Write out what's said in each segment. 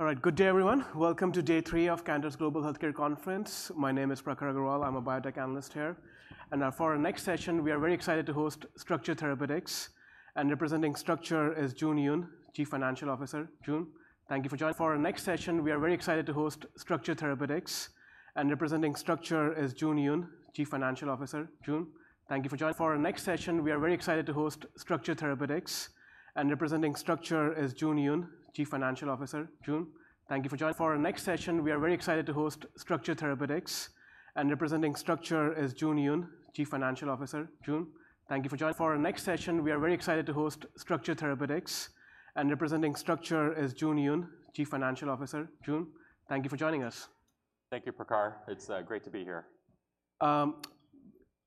All right. Good day, everyone. Welcome to day three of Cantor's Global Healthcare Conference. My name is Prakhar Agrawal. I'm a biotech analyst here. And for our next session, we are very excited to host Structure Therapeutics, and representing Structure is Jun Yoon, Chief Financial Officer. Jun, thank you for joining us. Thank you, Prakhar. It's great to be here.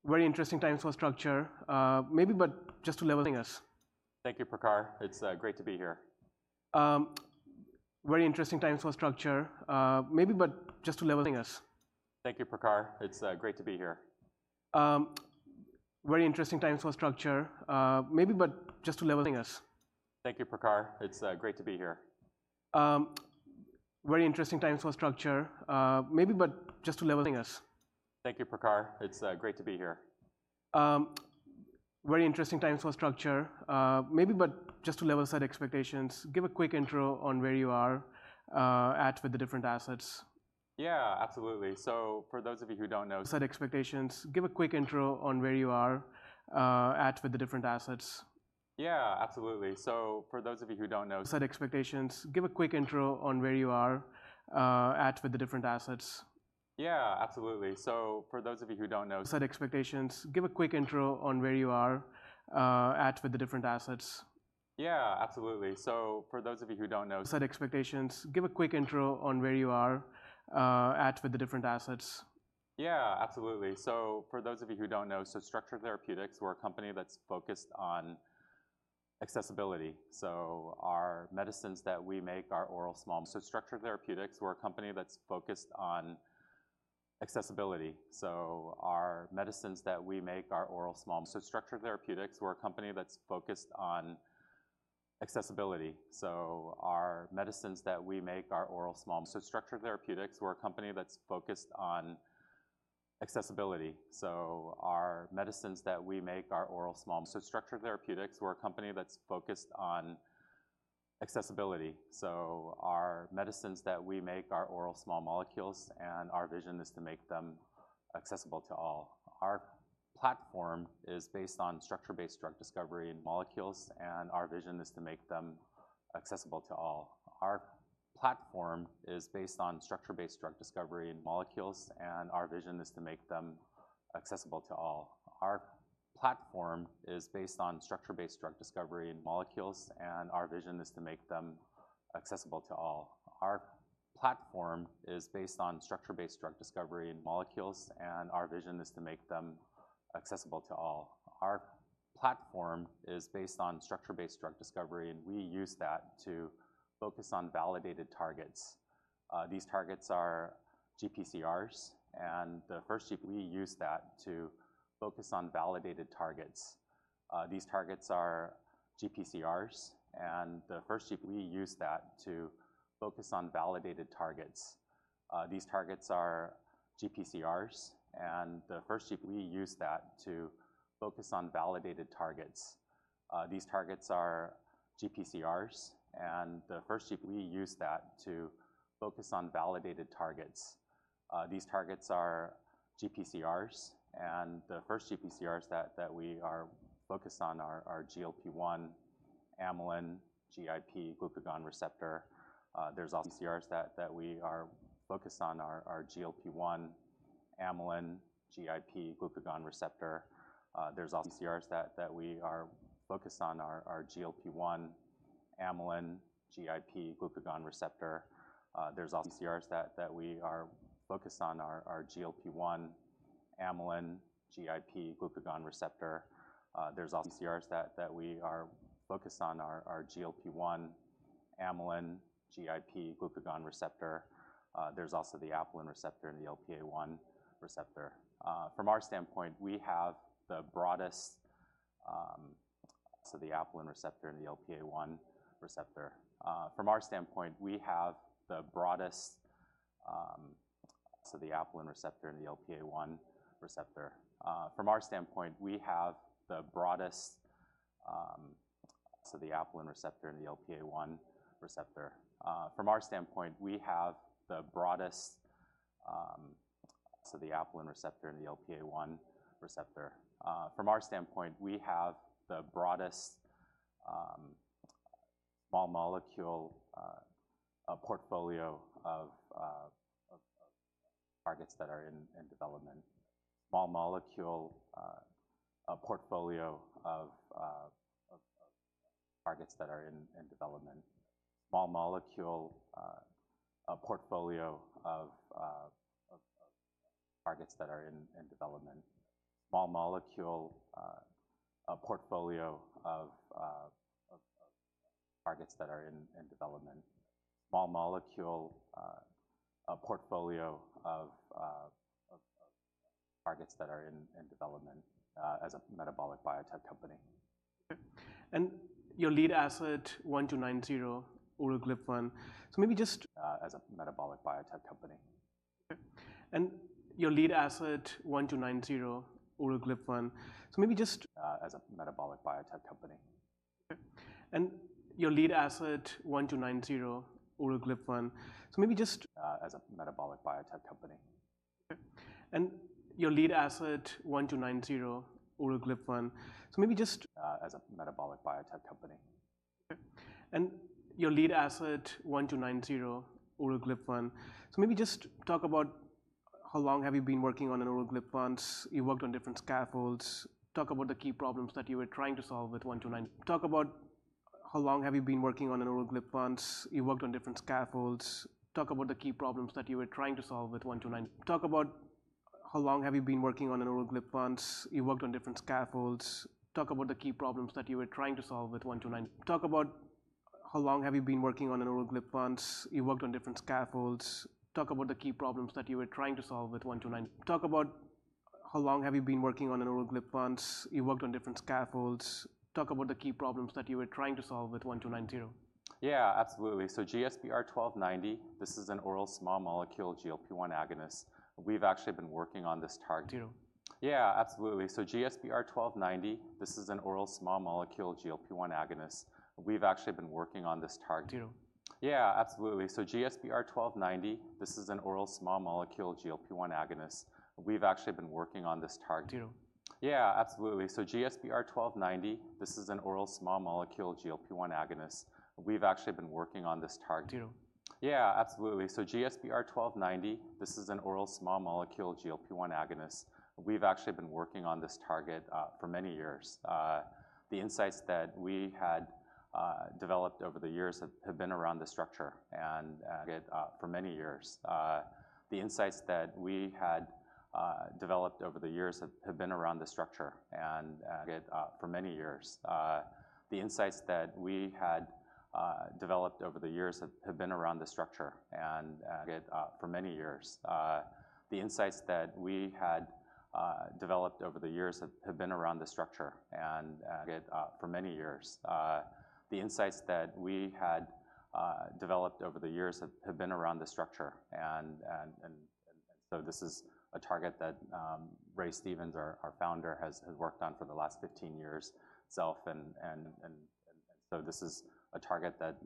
Very interesting times for Structure. Maybe but just to level-setting us. Thank you, Prakhar. It's great to be here. Very interesting times for Structure. Maybe but just to level-setting us. Thank you, Prakhar. It's great to be here. Very interesting times for Structure. Maybe, but just to level-setting us. Thank you, Prakhar. It's great to be here. Very interesting times for Structure. Maybe, but just to level-setting us. Thank you, Prakhar. It's great to be here. Very interesting times for Structure. Maybe, but just to level-setting us. Thank you, Prakhar. It's great to be here. Very interesting times for Structure. Maybe but just to level set expectations, give a quick intro on where you are at with the different assets. Yeah, absolutely. So for those of you who don't know. Set expectations, give a quick intro on where you are at with the different assets. Yeah, absolutely. So for those of you who don't know. Set expectations, give a quick intro on where you are at with the different assets. Yeah, absolutely. So for those of you who don't know. Set expectations, give a quick intro on where you are at with the different assets. Yeah, absolutely. So for those of you who don't know, Structure Therapeutics, we're a company that's focused on accessibility. So our medicines that we make are oral small molecules, and our vision is to make them accessible to all. Our platform is based on structure-based drug discovery and molecules, and our vision is to make them accessible to all. Our platform is based on structure-based drug discovery, and we use that to focus on validated targets. These targets are GPCRs, and the first GPCRs that we are focused on are GLP-1, amylin, GIP, glucagon receptor. There's also the apelin receptor and the LPA1 receptor. From our standpoint, we have the broadest small molecule portfolio of targets that are in development, so the apelin receptor and the LPA1 receptor targets that are in development as a metabolic biotech company. Okay. And your lead asset GSBR-1290 oral GLP-1. So maybe just- As a metabolic biotech company. Okay. And your lead asset GSBR-1290 oral GLP-1. So maybe just As a metabolic biotech company. Okay. And your lead asset GSBR-1290 oral GLP-1. So maybe just. As a metabolic biotech company. Okay. And your lead asset 1290 oral GLP-1. So maybe just talk about how long have you been working on an oral GLP-1s, you worked on different scaffolds. Talk about the key problems that you were trying to solve with 1290. Talk about how long have you been working on an oral GLP-1s, you worked on different scaffolds. Talk about the key problems that you were trying to solve with 1290. Yeah, absolutely. So GSBR-1290, this is an oral small molecule GLP-1 agonist. We've actually been working on this target. Two. Yeah, absolutely. So GSBR-1290, this is an oral small molecule GLP-1 agonist. We've actually been working on this target. Two. Yeah, absolutely, so GSBR-1290, this is an oral small molecule GLP-1 agonist. We've actually been working on this target. Two. Yeah, absolutely. So GSBR-1290, this is an oral small molecule GLP-1 agonist. We've actually been working on this target for many years. The insights that we had developed over the years have been around the structure and it for many years. So this is a target that Ray Stevens, our founder, has worked on for the last 15 years itself. So this is a target that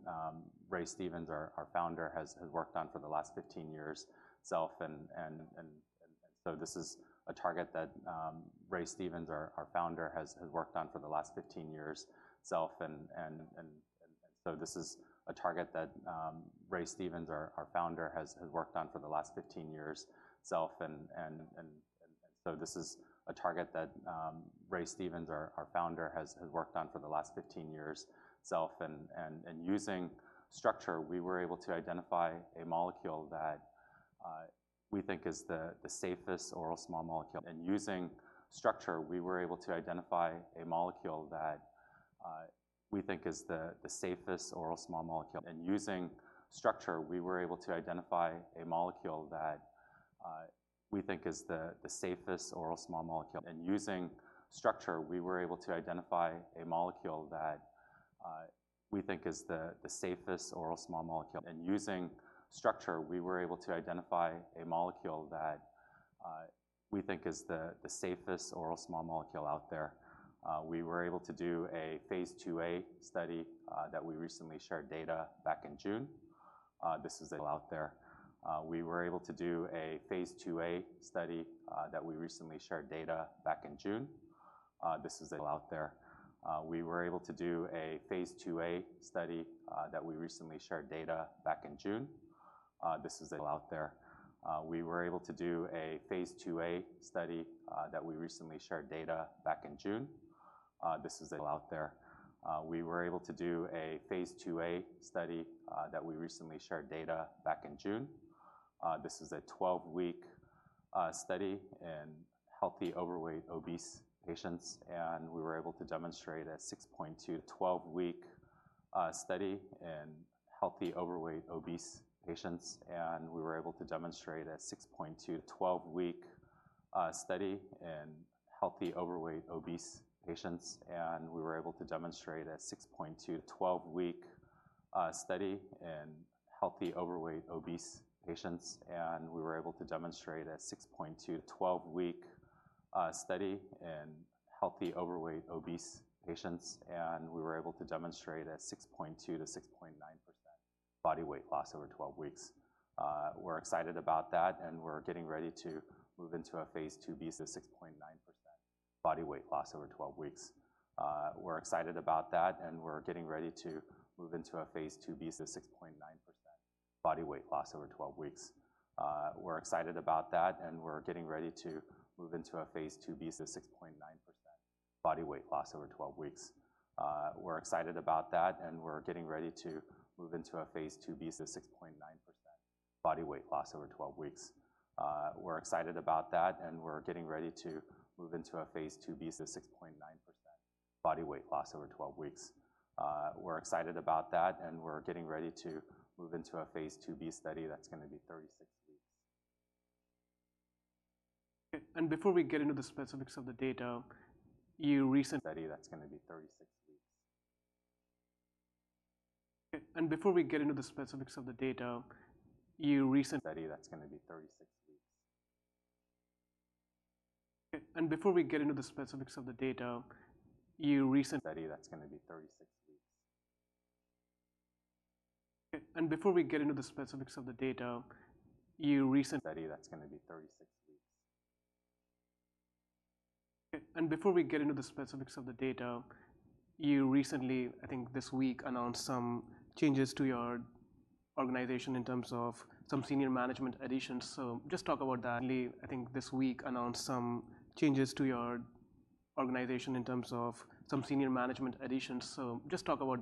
Ray Stevens, our founder, has worked on for the last 15 years itself. Using Structure, we were able to identify a molecule that we think is the safest oral small molecule. Using Structure, we were able to identify a molecule that we think is the safest oral small molecule out there. We were able to do a phase IIa study that we recently shared data back in June. This is out there. We were able to do a phase IIa study that we recently shared data back in June. This is a twelve-week study in healthy, overweight, obese patients, and we were able to demonstrate a 6.2-6.9% body weight loss over twelve weeks. We're excited about that, and we're getting ready to move into a phase IIb, so 6.9% body weight loss over twelve weeks. We're excited about that, and we're getting ready to move into a phase IIb study that's gonna be 36 weeks, so 6.9% body weight loss over 12 weeks. Okay, and before we get into the specifics of the data, you recently. Study that's gonna be 36 weeks. Okay, and before we get into the specifics of the data, you recently. Study that's gonna be 36 weeks. Okay, and before we get into the specifics of the data, you recently. Study that's gonna be 36 weeks. Okay, and before we get into the specifics of the data, you recently. Study that's gonna be 36 weeks. Okay, and before we get into the specifics of the data, you recently, I think this week, announced some changes to your organization in terms of some senior management additions. So just talk about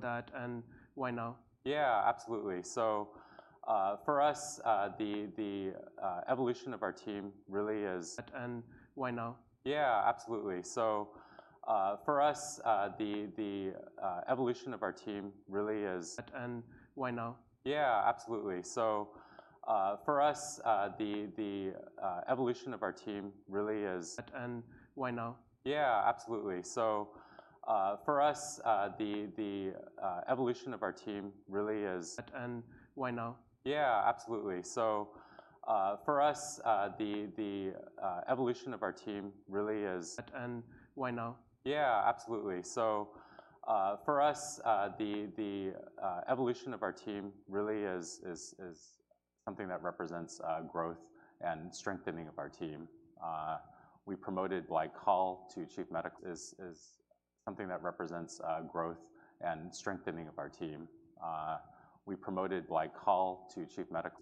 that and why now? Yeah, absolutely. So, for us, the evolution of our team really is. Why now? Yeah, absolutely. For us, the evolution of our team really is. Why now? Yeah, absolutely. So, for us, the evolution of our team really is. Why now? Yeah, absolutely. So, for us, the evolution of our team really is. Why now? Yeah, absolutely. So, for us, the evolution of our team really is something that represents growth and strengthening of our team. We promoted Blai Coll to Chief Medical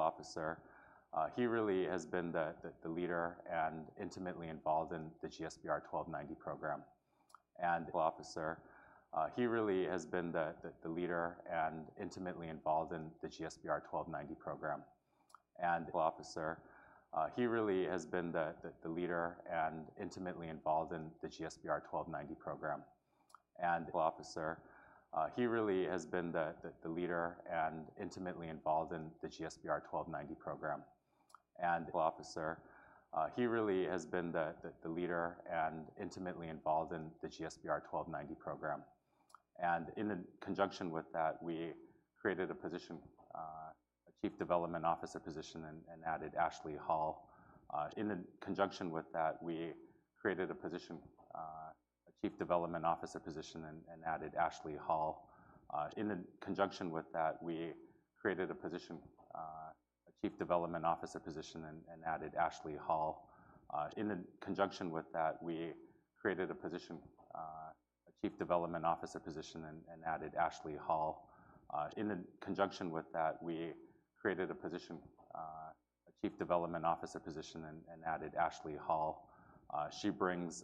Officer. He really has been the leader and intimately involved in the GSBR-1290 program. He really has been the leader and intimately involved in the GSBR-1290 program, and medical officer. In conjunction with that, we created a position, a chief development officer position and added Ashley Hall. She brings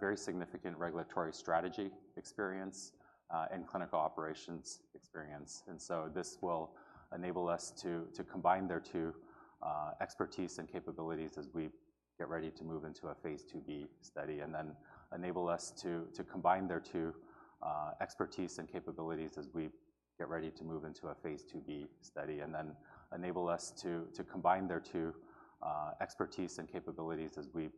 very significant regulatory strategy experience and clinical operations experience, and so this will enable us to combine their two expertise and capabilities as we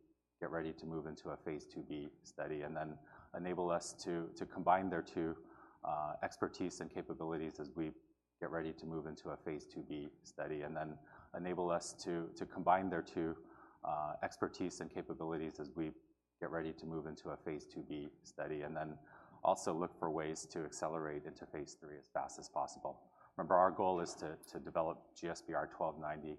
get ready to move into a phase IIb study, and then also look for ways to accelerate into phase III as fast as possible. Remember, our goal is to develop GSBR-1290,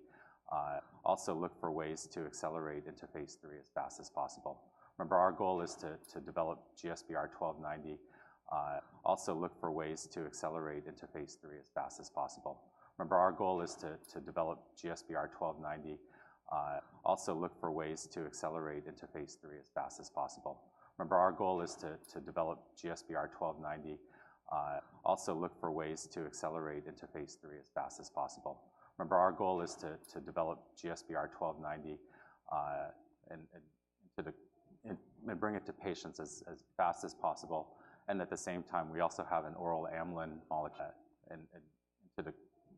also look for ways to accelerate into phase III as fast as possible. Remember, our goal is to develop GSBR-1290 and bring it to patients as fast as possible. And at the same time, we also have an oral amylin molecule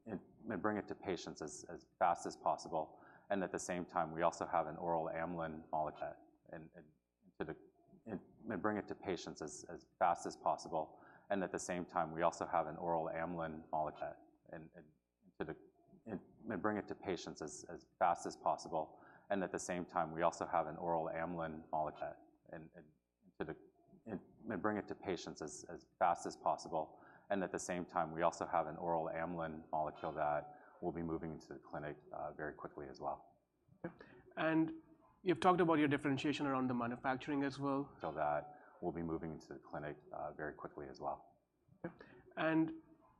and bring it to patients as fast as possible. At the same time, we also have an oral amylin molecule that will be moving into the clinic very quickly as well. Okay, and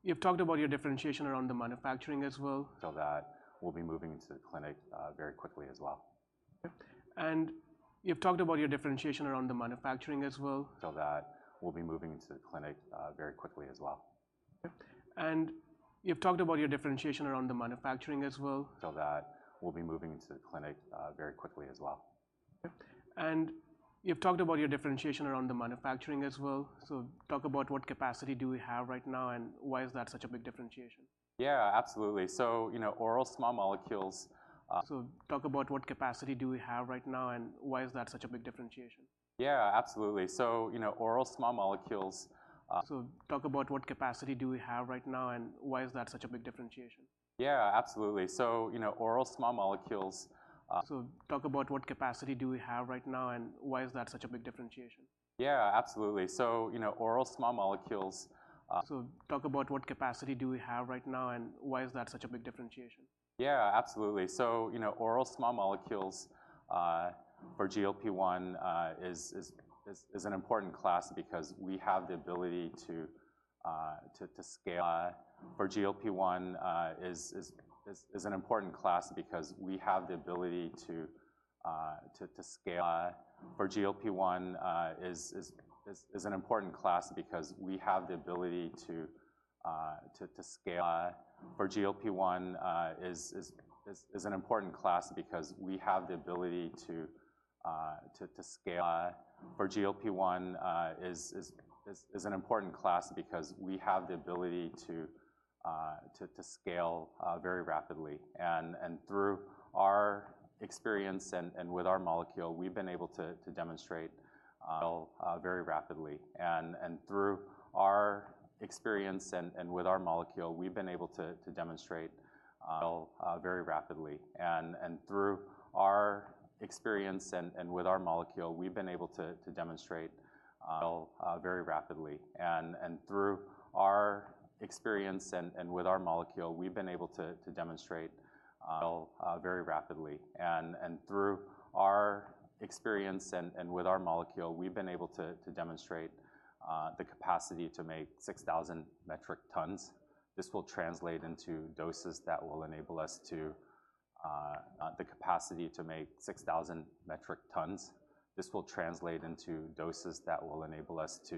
you've talked about your differentiation around the manufacturing as well. So that will be moving into the clinic, very quickly as well. Okay, and you've talked about your differentiation around the manufacturing as well. So that will be moving into the clinic, very quickly as well. Okay, and you've talked about your differentiation around the manufacturing as well. So that will be moving into the clinic, very quickly as well. Okay, and you've talked about your differentiation around the manufacturing as well. So that will be moving into the clinic, very quickly as well. Okay. And you've talked about your differentiation around the manufacturing as well. So talk about what capacity do we have right now, and why is that such a big differentiation? Yeah, absolutely, so you know, oral small molecules. So talk about what capacity do we have right now, and why is that such a big differentiation? Yeah, absolutely. So, you know, oral small molecules, So talk about what capacity do we have right now, and why is that such a big differentiation? Yeah, absolutely, so you know, oral small molecules So talk about what capacity do we have right now, and why is that such a big differentiation? Yeah, absolutely. So, you know, oral small molecules. So talk about what capacity do we have right now, and why is that such a big differentiation? Yeah, absolutely. So, you know, oral small molecules for GLP-1 is an important class because we have the ability to scale very rapidly. And through our experience and with our molecule, we've been able to demonstrate scale very rapidly. Through our experience and with our molecule, we've been able to demonstrate the capacity to make 6,000 metric tons. This will translate into doses that will enable us to make enough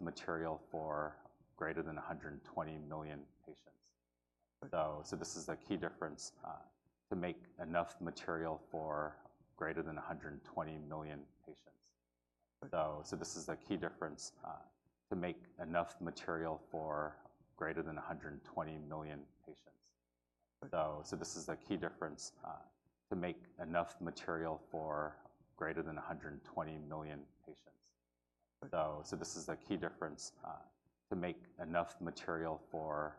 material for greater than 120 million patients. This is a key difference to make enough material for greater than 120 million patients using oral small molecules compared to oral peptides, for instance. Okay, and moving on to the clinical. Using oral small molecules compared to oral peptides, for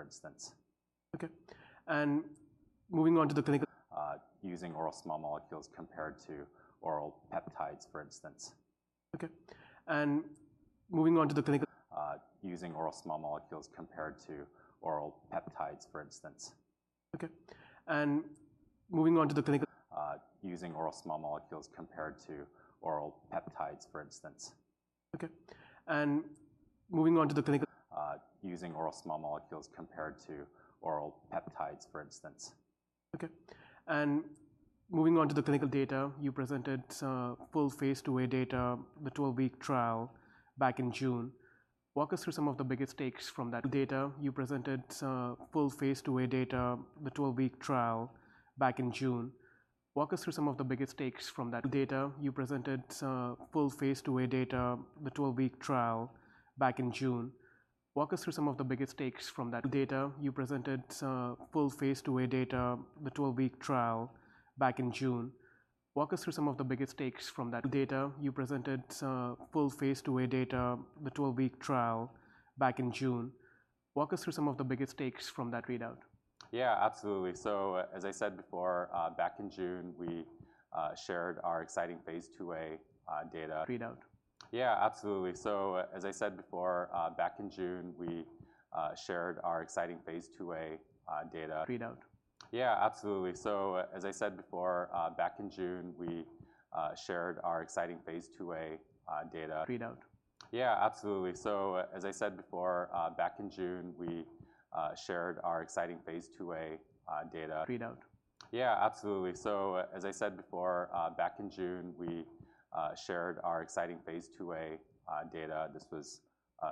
instance. Okay. And moving on to the clinical. using oral small molecules compared to oral peptides, for instance. Okay. And moving on to the clinical. Using oral small molecules compared to oral peptides, for instance. Okay. And moving on to the clinical. Using oral small molecules compared to oral peptides, for instance. Okay. And moving on to the clinical data, you presented full phase IIA data, the 12-week trial back in June. Walk us through some of the biggest takes from that data. Yeah, absolutely. So as I said before, back in June, we shared our exciting phase IIa data. Readout. Yeah, absolutely. So as I said before, back in June, we shared our exciting phase IIa data. Readout. Yeah, absolutely. So as I said before, back in June, we shared our exciting phase IIa data. Readout. Yeah, absolutely. So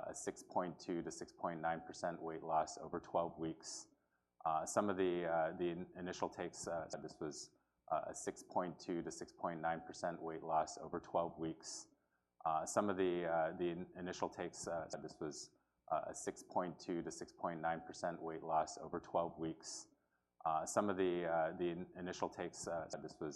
as I said before, back in June, we shared our exciting phase IIa data. This was a 6.2-6.9% weight loss over 12 weeks. Some of the initial takes certainly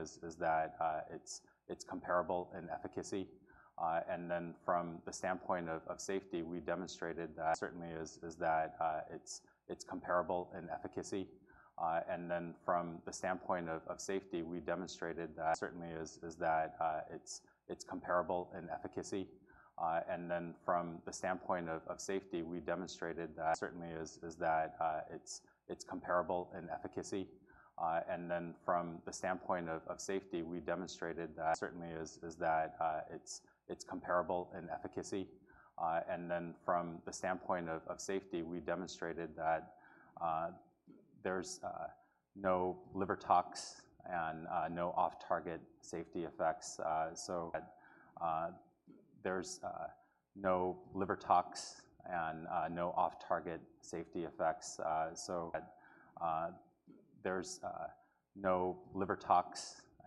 is that it's comparable in efficacy. And then from the standpoint of safety, we demonstrated that it's comparable in efficacy. There's no liver tox and no off-target safety effects. As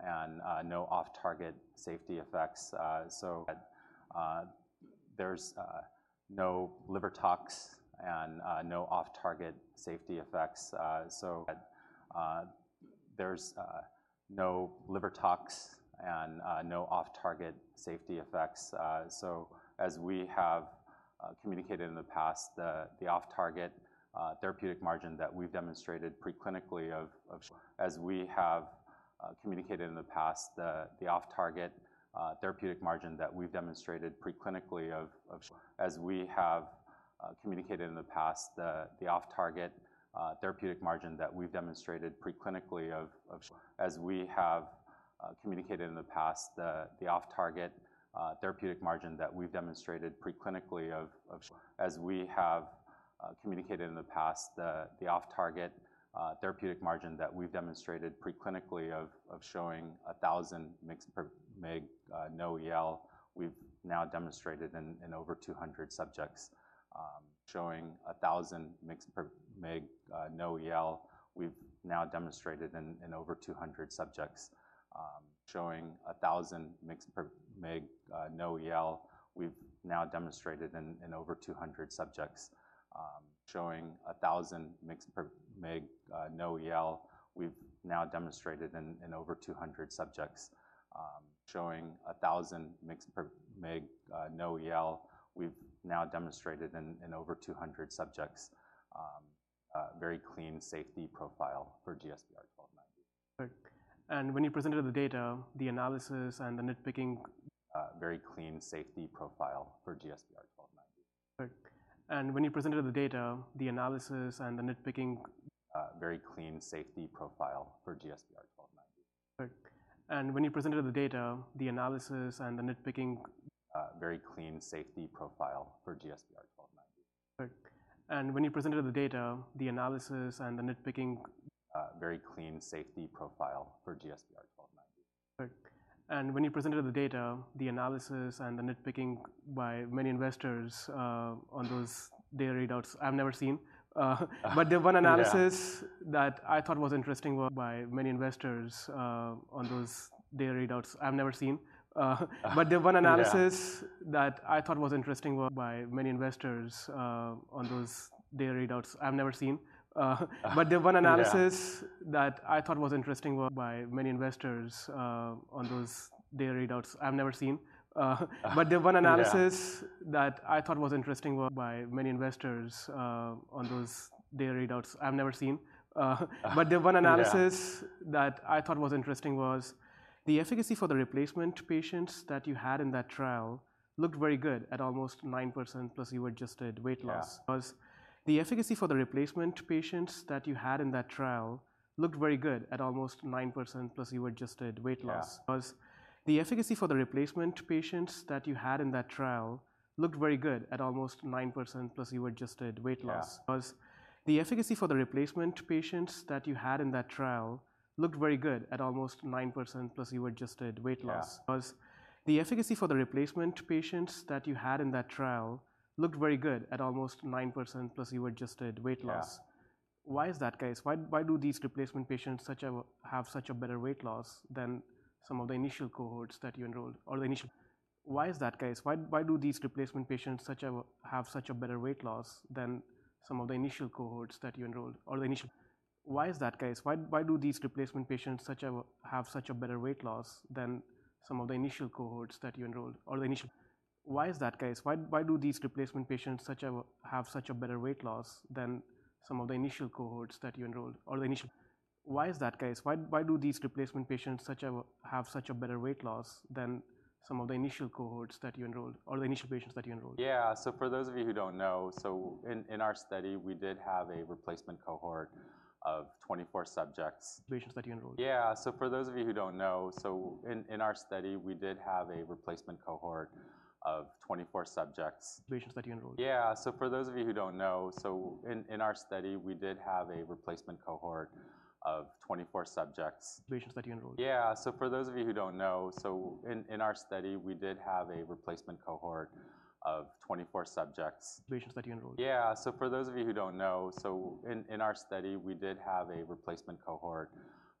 we have communicated in the past, the off-target therapeutic margin that we've demonstrated pre-clinically of showing a thousand mg/ml, we've now demonstrated in over two hundred subjects, a very clean safety profile for GSBR-1290. Perfect. And when you presented the data, the analysis and the nitpicking. A very clean safety profile for GSBR-1290. Perfect. And when you presented the data, the analysis and the nitpicking. A very clean safety profile for GSBR-1290. Perfect. And when you presented the data, the analysis and the nitpicking. A very clean safety profile for GSBR-1290. Perfect, and when you presented the data, the analysis and the nitpicking. A very clean safety profile for GSBR-1290. Perfect. And when you presented the data, the analysis and the nitpicking by many investors, on those data readouts, I've never seen. But the one analysis that I thought was interesting was- By many investors, on those data readouts, I've never seen. But the one analysis that I thought was interesting. By many investors, on those data readouts, I've never seen, but the one analysis that I thought was interesting by many investors on those data readouts, I've never seen. But the one analysis. That I thought was interesting was the efficacy for the replacement patients that you had in that trial looked very good at almost 9% plus the adjusted weight loss. Was the efficacy for the replacement patients that you had in that trial looked very good at almost 9% plus the adjusted weight loss? Was the efficacy for the replacement patients that you had in that trial looked very good at almost 9% plus the adjusted weight loss? Was the efficacy for the replacement patients that you had in that trial looked very good at almost 9% plus the adjusted weight loss? Was the efficacy for the replacement patients that you had in that trial looked very good at almost 9% plus the adjusted weight loss? Why is that the case? Why do these replacement patients have such a better weight loss than some of the initial cohorts that you enrolled or the initial? Why do these replacement patients have such a better weight loss than some of the initial cohorts that you enrolled or the initial patients that you enrolled? Yeah. So for those of you who don't know, so in our study, we did have a replacement cohort of 24 subjects. Patients that you enrolled? Yeah. For those of you who don't know, in our study, we did have a replacement cohort of 24 subjects. Patients that you enrolled? Yeah. For those of you who don't know, in our study, we did have a replacement cohort of 24 subjects. Patients that you enrolled? Yeah. So for those of you who don't know, in our study, we did have a replacement cohort of 24 subjects. Patients that you enrolled? Yeah. For those of you who don't know, in our study, we did have a replacement cohort of 24 subjects. Patients that you enrolled? Yeah. So for those of you who don't know, so in our study, we did have a replacement cohort of twenty-four subjects, and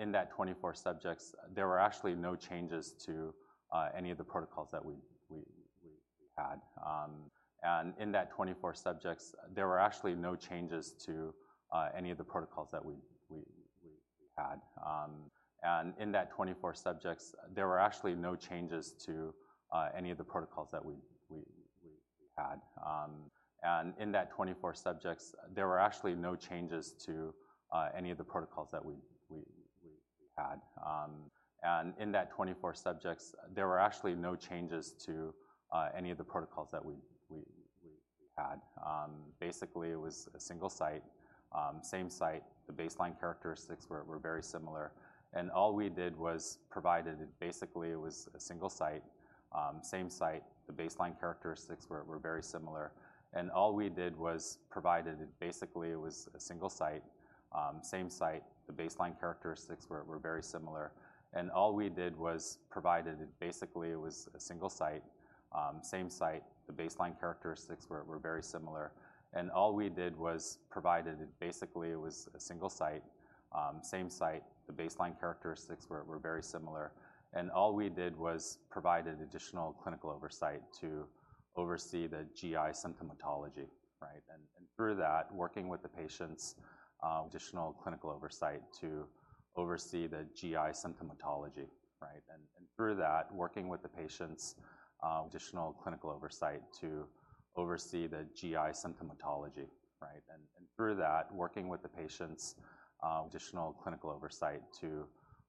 in that twenty-four subjects, there were actually no changes to any of the protocols that we had. Basically, it was a single site, same site. The baseline characteristics were very similar, and all we did was provide. Basically, it was a single site, same site, additional clinical oversight to oversee the GI symptomatology, right? And through that, working with the patients. Through that, working with the patients, additional clinical oversight to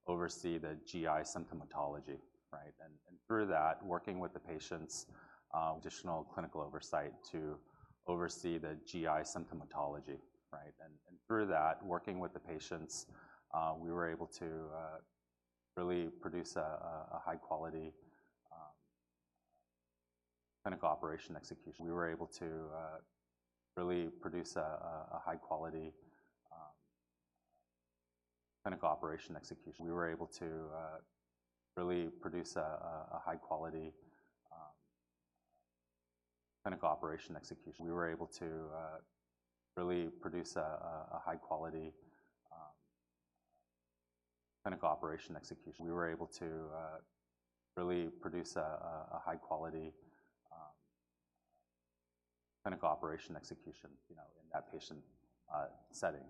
oversee the GI symptomatology, right? We were able to really produce a high-quality clinical operation execution, you know, in that patient setting.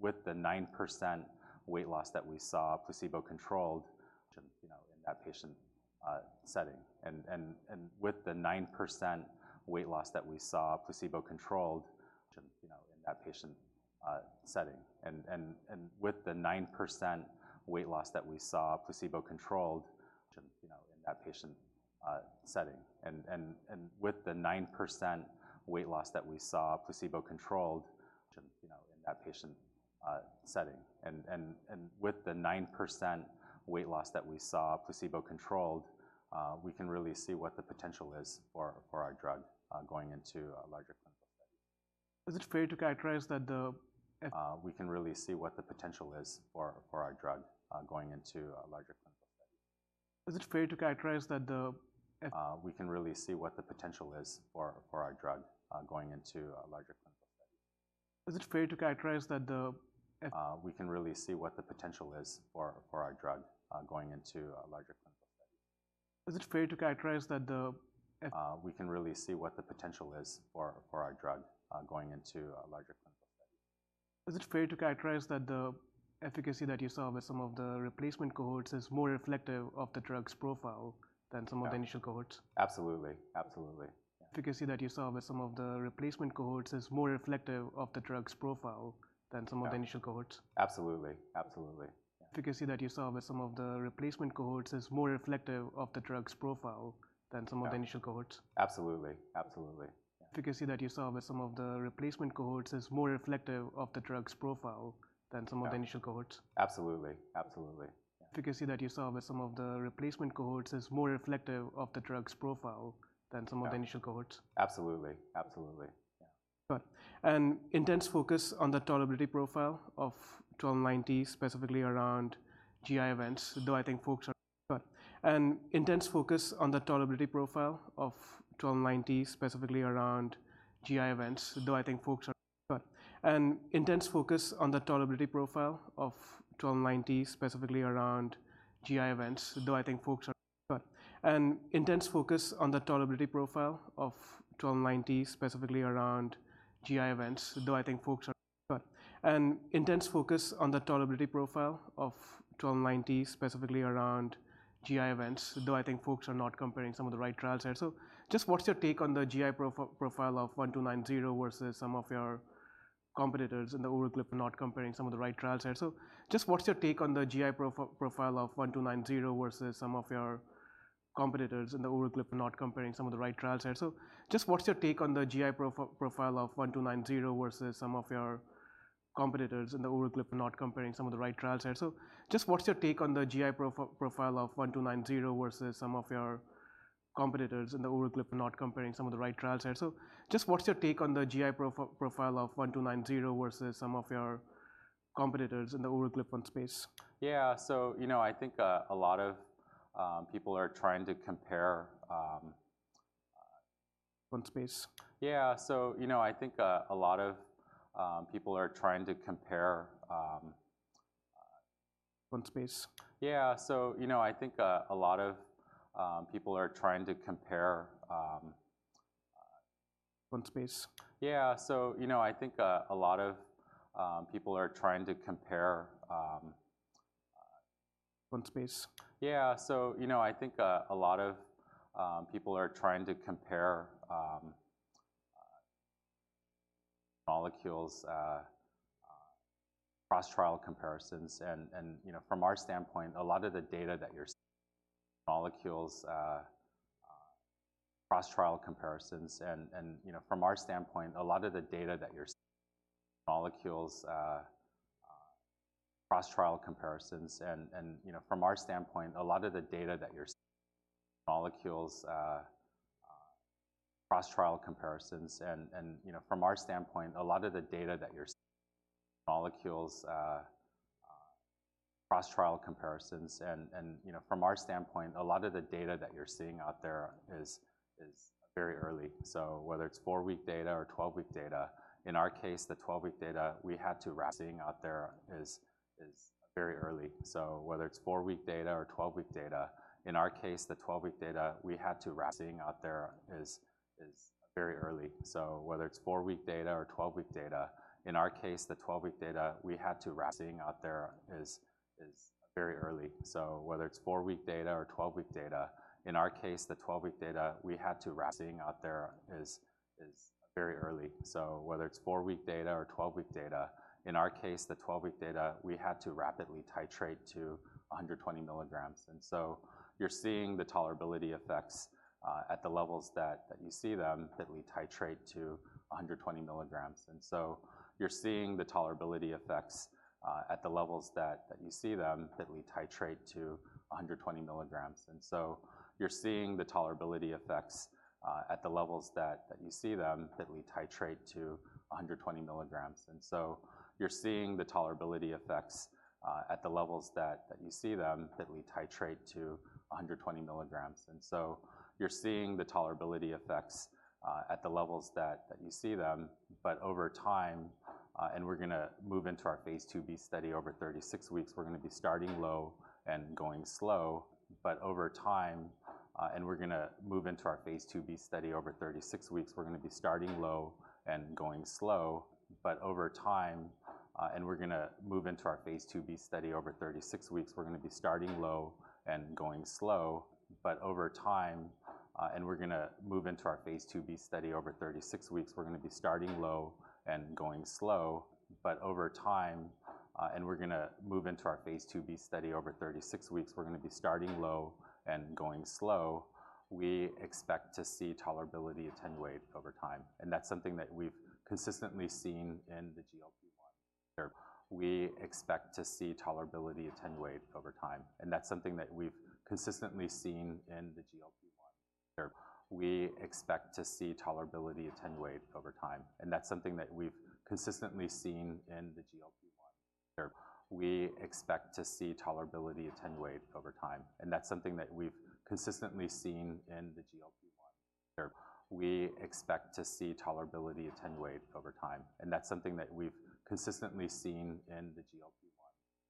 With the 9% weight loss that we saw, placebo-controlled, which, you know, in that patient setting. With the 9% weight loss that we saw, placebo-controlled, which, you know, in that patient setting, we can really see what the potential is for our drug going into a larger clinical study. Is it fair to characterize that the. We can really see what the potential is for our drug going into a larger clinical study. Is it fair to characterize that the. We can really see what the potential is for our drug going into a larger clinical study. Is it fair to characterize that the. We can really see what the potential is for our drug going into a larger clinical study. Is it fair to characterize that the. We can really see what the potential is for our drug going into a larger clinical study. Is it fair to characterize that the efficacy that you saw with some of the replacement cohorts is more reflective of the drug's profile than some of the initial cohorts? Absolutely. Absolutely. Efficacy that you saw with some of the replacement cohorts is more reflective of the drug's profile than some of the initial cohorts? Absolutely. Absolutely. Efficacy that you saw with some of the replacement cohorts is more reflective of the drug's profile than some of the initial cohorts? Absolutely. Absolutely. Efficacy that you saw with some of the replacement cohorts is more reflective of the drug's profile than some of the initial cohorts? Absolutely. Absolutely. Efficacy that you saw with some of the replacement cohorts is more reflective of the drug's profile than some of the initial cohorts? Absolutely. Absolutely. Yeah. Got it. And intense focus on the tolerability profile of 1290, specifically around GI events, though I think folks are not comparing some of the right trials here. So just what's your take on the GI profile of 1290 versus some of your competitors in the oral GLP, not comparing some of the right trials here?.Just what's your take on the GI profile of 1290 versus some of your competitors in the oral GLP-1 space? Yeah. So, you know, I think a lot of people are trying to compare. One space. Yeah. So you know, I think a lot of people are trying to compare. One space. Yeah. So, you know, I think a lot of people are trying to compare. One space. Yeah. So, you know, I think a lot of people are trying to compare molecules cross-trial comparisons. And you know, from our standpoint, a lot of the data that you're seeing out there is very early. So whether it's four-week data or twelve-week data, in our case, the twelve-week data we had to ra--So whether it's four-week data or twelve-week data, in our case, the twelve-week data we had to rapidly titrate to 120 mg. And so you're seeing the tolerability effects at the levels that you see them that we titrate to 120 mg. So you're seeing the tolerability effects at the levels that you see them. But over time, we're gonna move into our phase IIb study. Over 36 weeks, we're gonna be starting low and going slow, but over time. We expect to see tolerability attenuate over time, and that's something that we've consistently seen in the GLP-1 therapeutic class. Right. Is there anything in the data that gives you confidence that the tolerability profile will improve with slower titration? I know you had a formulation trial.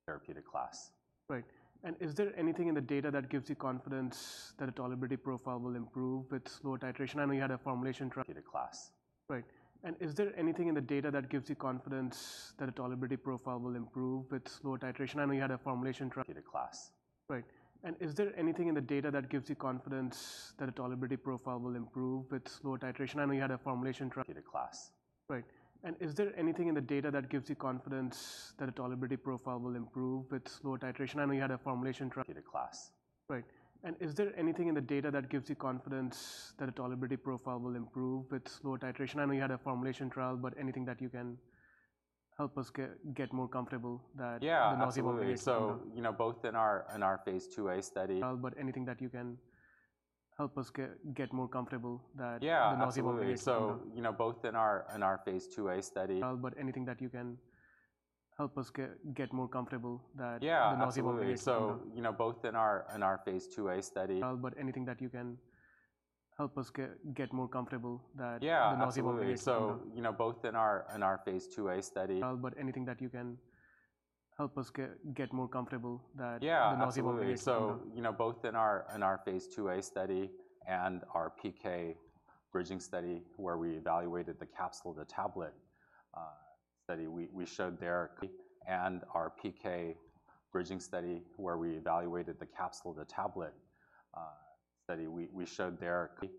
Therapeutic class. Right. And is there anything in the data that gives you confidence that the tolerability profile will improve with slower titration? I know you had a formulation trial. Therapeutic class. Right. And is there anything in the data that gives you confidence that the tolerability profile will improve with slower titration? I know you had a formulation trial. Therapeutic class. Right. And is there anything in the data that gives you confidence that the tolerability profile will improve with slower titration? I know you had a formulation trial, but anything that you can help us get more comfortable that. Yeah, absolutely. The massive population. You know, both in our phase IIa study. But anything that you can help us get more comfortable that- Yeah, absolutely. The massive population. You know, both in our phase IIA study. But anything that you can help us get more comfortable that. Yeah, absolutely. The nausea population? So, you know, both in our phase IIa study. Well, but anything that you can help us get more comfortable that. Yeah, absolutely. The nausea population? You know, both in our phase IIa study- But anything that you can help us get more comfortable that- Yeah, absolutely. The nausea population? You know, both in our phase IIa study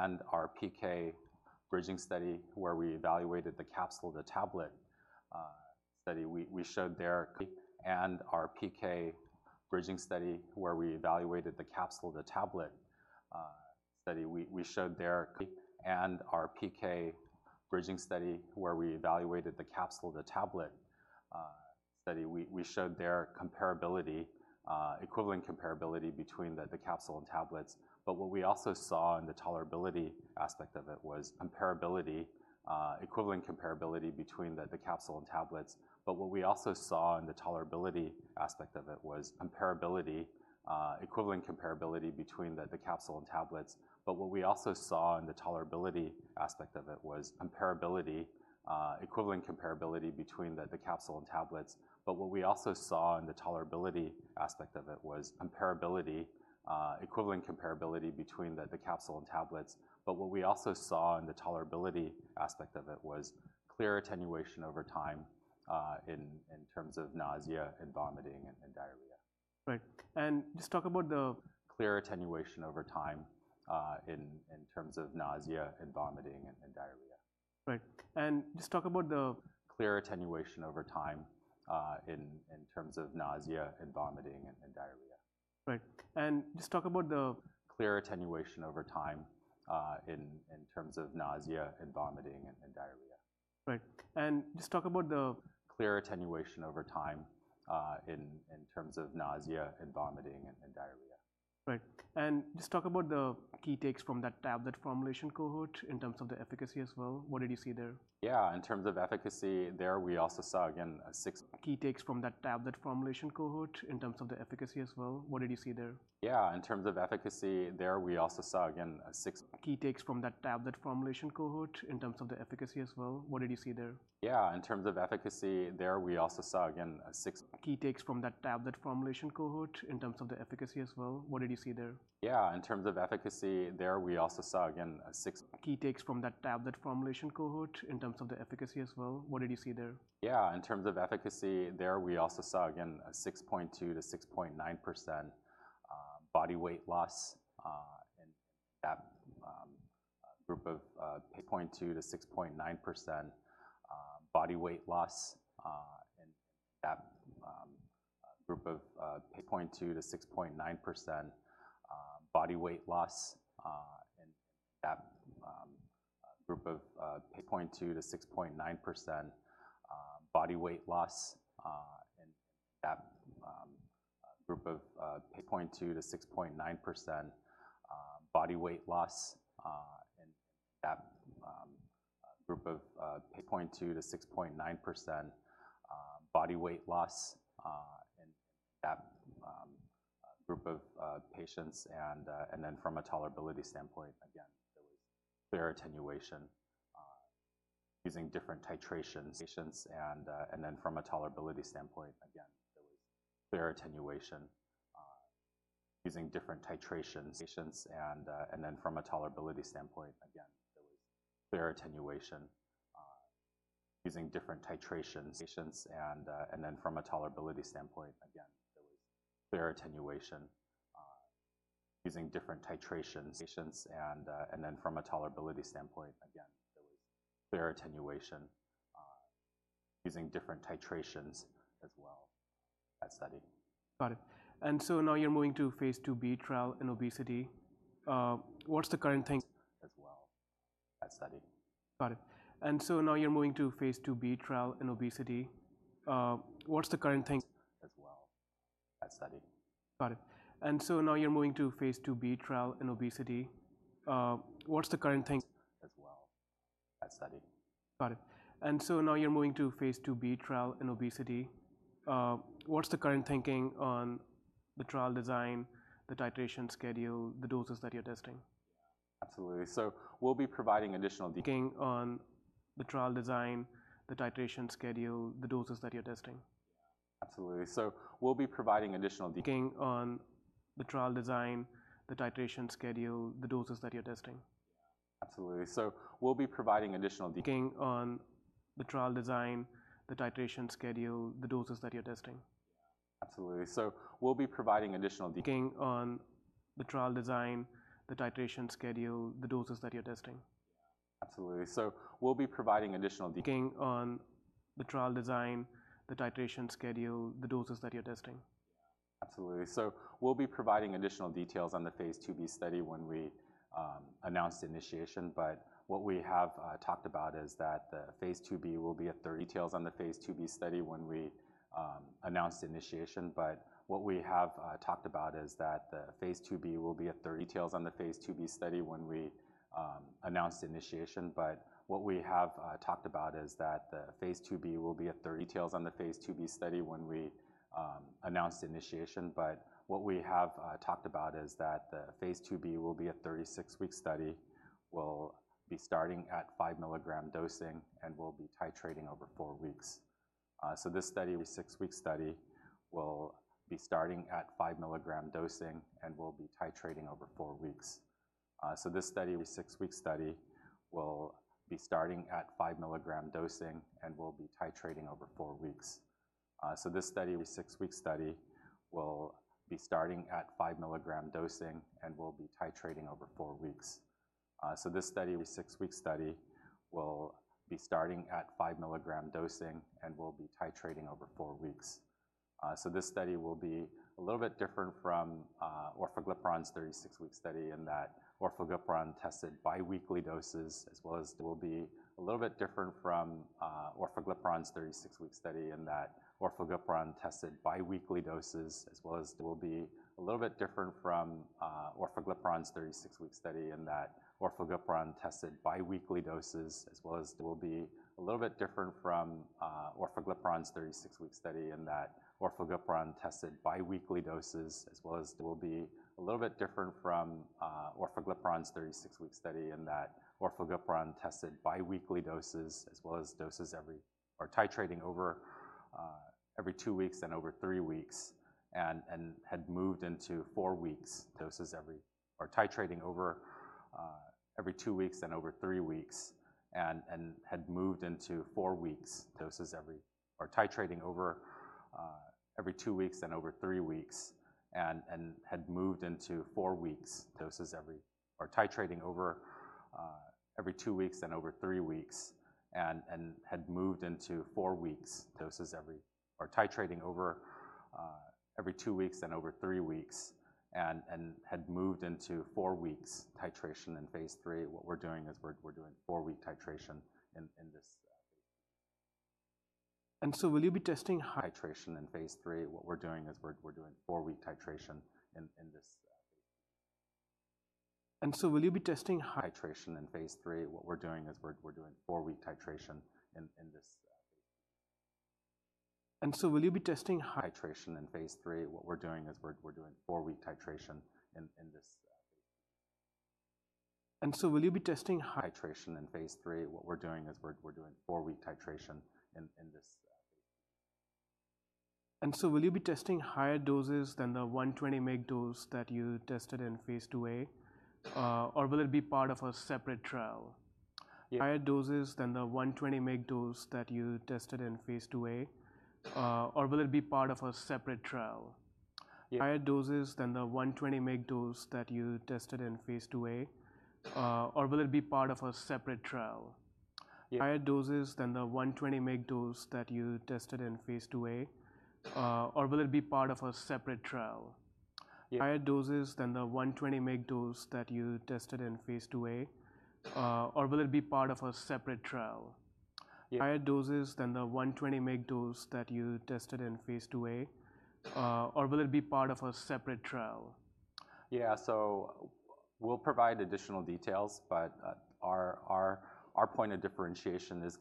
and our PK bridging study, where we evaluated the capsule and the tablet, we showed there comparability, equivalent comparability between the capsule and tablets. But what we also saw in the tolerability aspect of it was comparability, equivalent comparability between the capsule and tablets. But what we also saw in the tolerability aspect of it was comparability, equivalent comparability between the capsule and tablets. But what we also saw in the tolerability aspect of it was clear attenuation over time, in terms of nausea and vomiting and diarrhea. Right. And just talk about the. Clear attenuation over time, in terms of nausea and vomiting and diarrhea. Right. And just talk about the. Clear attenuation over time, in terms of nausea and vomiting and diarrhea. Right, and just talk about the Clear attenuation over time, in terms of nausea and vomiting and diarrhea. Right. And just talk about the. Clear attenuation over time, in terms of nausea and vomiting and diarrhea. Right. And just talk about the key takes from that tablet formulation cohort in terms of the efficacy as well. What did you see there? Yeah, in terms of efficacy there, we also saw, again, a six. Key takes from that tablet formulation cohort in terms of the efficacy as well. What did you see there? Yeah, in terms of efficacy there, we also saw, again, a six. Key takes from that tablet formulation cohort in terms of the efficacy as well. What did you see there? Yeah, in terms of efficacy there, we also saw, again, a six. Key takes from that tablet formulation cohort in terms of the efficacy as well. What did you see there? Yeah, in terms of efficacy there, we also saw, again, a 6.2-6.9% body weight loss in that group of patients, and then from a tolerability standpoint, again, there was fair attenuation using different titrations. Patients and then from a tolerability standpoint, again, there was fair attenuation using different titrations as well in that study. Got it. And so now you're moving to phase IIb trial in obesity. What's the current think. As well in that study. Got it, and so now you're moving to phase IIb trial in obesity. What's the current think. As well in that study. Got it. And so now you're moving to phase IIb trial in obesity. What's the current think. As well in that study. Got it. And so now you're moving to phase IIb trial in obesity. What's the current thinking on the trial design, the titration schedule, the doses that you're testing? Absolutely. So we'll be providing additional de. Thinking on the trial design, the titration schedule, the doses that you're testing? Absolutely. So we'll be providing additional de. Thinking on the trial design, the titration schedule, the doses that you're testing? Absolutely. So we'll be providing additional de. Thinking on the trial design, the titration schedule, the doses that you're testing? Absolutely. So we'll be providing additional de. Thinking on the trial design, the titration schedule, the doses that you're testing? Absolutely. So we'll be providing additional details on the phase IIb study when we announce the initiation. But what we have talked about is that the phase IIb will be a 36-week study, we'll be starting at five mg dosing, and we'll be titrating over four weeks. So this study, a six-week study, will be starting at five mg dosing, and we'll be titrating over four weeks. So this study, a six-week study, will be starting at five mg dosing, and we'll be titrating over four weeks. So this study will be a little bit different from orforglipron's 36-week study in that orforglipron tested biweekly doses as well as, It will be a little bit different from orforglipron's 36-week study in that orforglipron tested biweekly doses as well as doses every or titrating over every two weeks and over three weeks, and had moved into four weeks titration in phase III. What we're doing is we're doing four-week titration in this study. So will you be testing high titration in phase III? What we're doing is we're doing four-week titration in this study. So will you be testing higher doses than the 120 mg dose that you tested in phase IIa, or will it be part of a separate trial? Higher doses than the 120 mg dose that you tested in phase IIa, or will it be part of a separate trial? Higher doses than the 120 mg dose that you tested in phase IIa, or will it be part of a separate trial? Yeah. So we'll provide additional details, but our point of differentiation is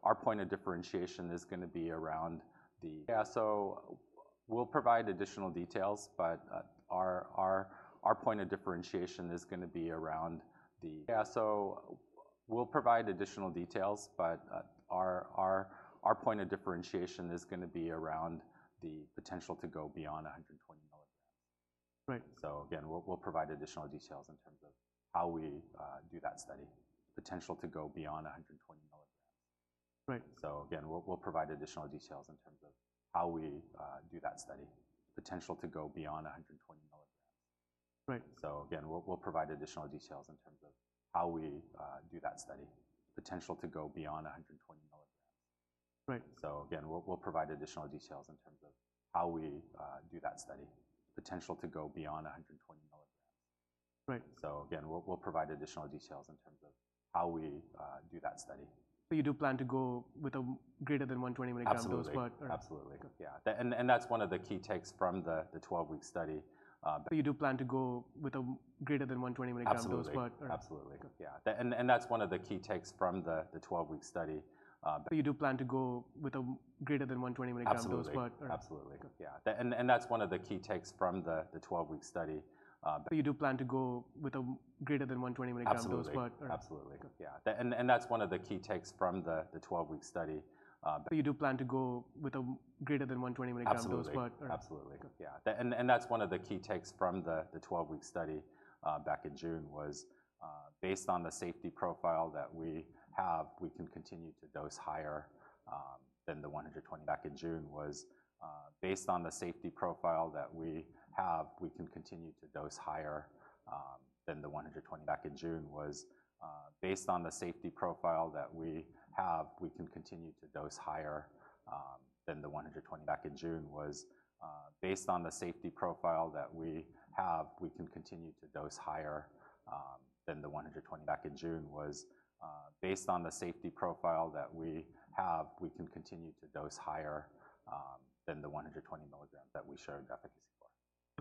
gonna be around the potential to go beyond a 120 mg. Right. So again, we'll provide additional details in terms of how we do that study. Potential to go beyond a 120 mg. Right. So again, we'll provide additional details in terms of how we do that study. Potential to go beyond 120 mg. Right. So again, we'll provide additional details in terms of how we do that study. Potential to go beyond a 120 mg. Right. So again, we'll provide additional details in terms of how we do that study. But you do plan to go with a greater than 120 mg dose, but. Absolutely. Absolutely. Okay. Yeah, and that's one of the key takes from the twelve-week study, but. But you do plan to go with a greater than 120 mg dose, but. Absolutely. Absolutely. Okay. Yeah, and that's one of the key takes from the twelve-week study, but. But you do plan to go with a greater than 120 mg dose, but- Absolutely. Absolutely. Okay. Yeah, and that's one of the key takes from the twelve-week study. But you do plan to go with a greater than 120 mg dose, but. Absolutely. Absolutely. Okay. Yeah. And that's one of the key takes from the 12-week study back in June: based on the safety profile that we have, we can continue to dose higher than the 120. Continue to dose higher than the 120 back in June was, based on the safety profile that we have. We can continue to dose higher than the 120 mg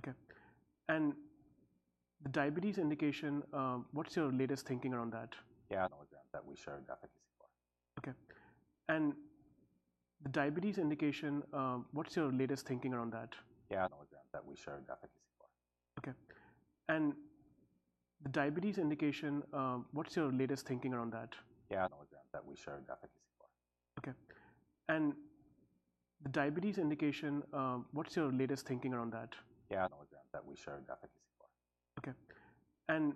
that we showed efficacy for. Okay. And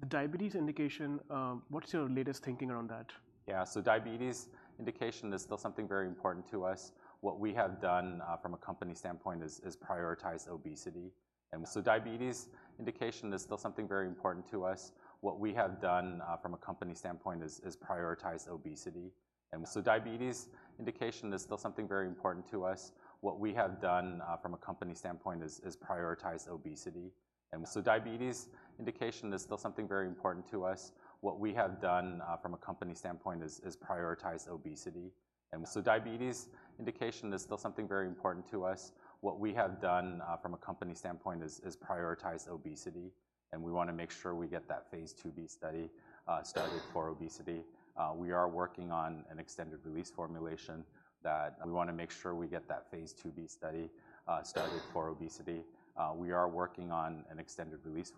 the diabetes indication, what is your latest thinking around that? Yeah, mg that we showed efficacy for. Okay. And the diabetes indication, what is your latest thinking around that? Yeah, mg that we showed efficacy for. Okay. And the diabetes indication, what is your latest thinking around that? Yeah, mg that we showed efficacy for. Okay. And the diabetes indication, what is your latest thinking around that? Yeah, mg that we showed efficacy for. Okay. And the diabetes indication, what is your latest thinking around that? Yeah, so diabetes indication is still something very important to us. What we have done from a company standpoint is prioritize obesity, and we wanna make sure we get that phase IIb study started for obesity. We are working on an extended-release formulation that we want to make sure we get that phase IIb study started for obesity. We are working on an extended-release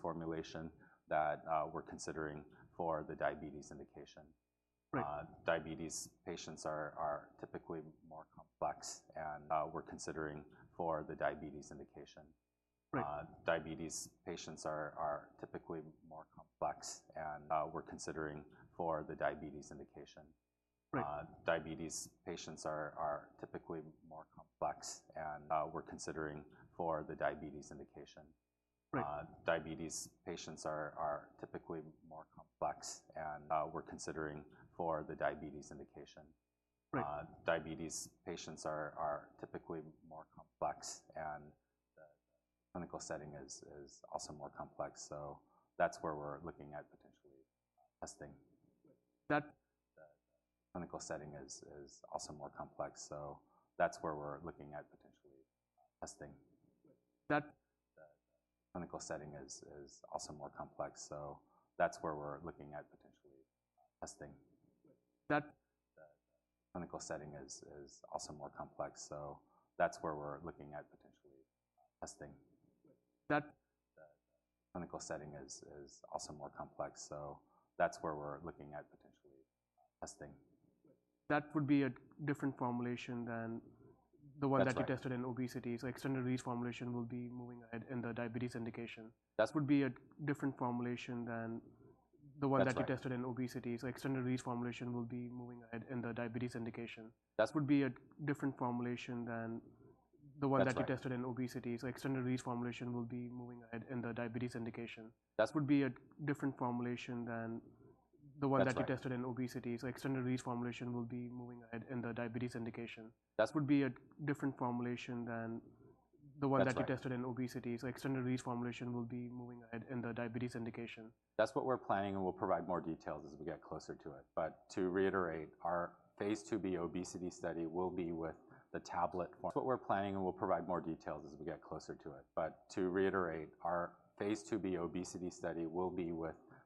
formulation that we're considering for the diabetes indication. Right. Diabetes patients are typically more complex and. We're considering for the diabetes indication. Right. Diabetes patients are typically more complex and we're considering for the diabetes indication. Right. Diabetes patients are typically more complex and we're considering for the diabetes indication. Right. Diabetes patients are typically more complex and we're considering for the diabetes indication. Right. Diabetes patients are typically more complex, and the clinical setting is also more complex. So that's where we're looking at potentially testing. That. The clinical setting is also more complex, so that's where we're looking at potentially testing. That. The clinical setting is also more complex, so that's where we're looking at potentially testing. That- The clinical setting is also more complex, so that's where we're looking at potentially testing. That. The clinical setting is also more complex, so that's where we're looking at potentially testing. That would be a different formulation than the one. That's right. That you tested in obesity, so extended-release formulation will be moving ahead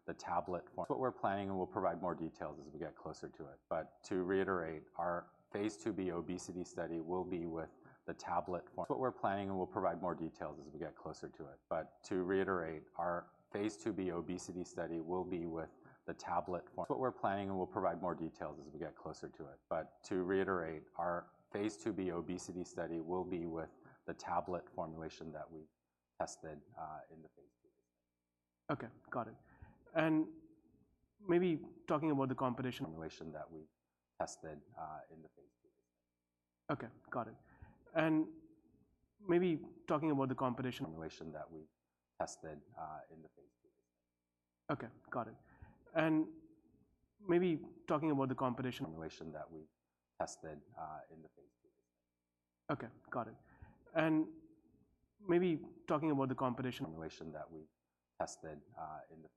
obesity study will be with the tablet formulation that we tested in the phase II. Okay, got it. And maybe talking about the competition. Formulation that we tested in the phase II study. Okay, got it. And maybe talking about the competition. Formulation that we tested in the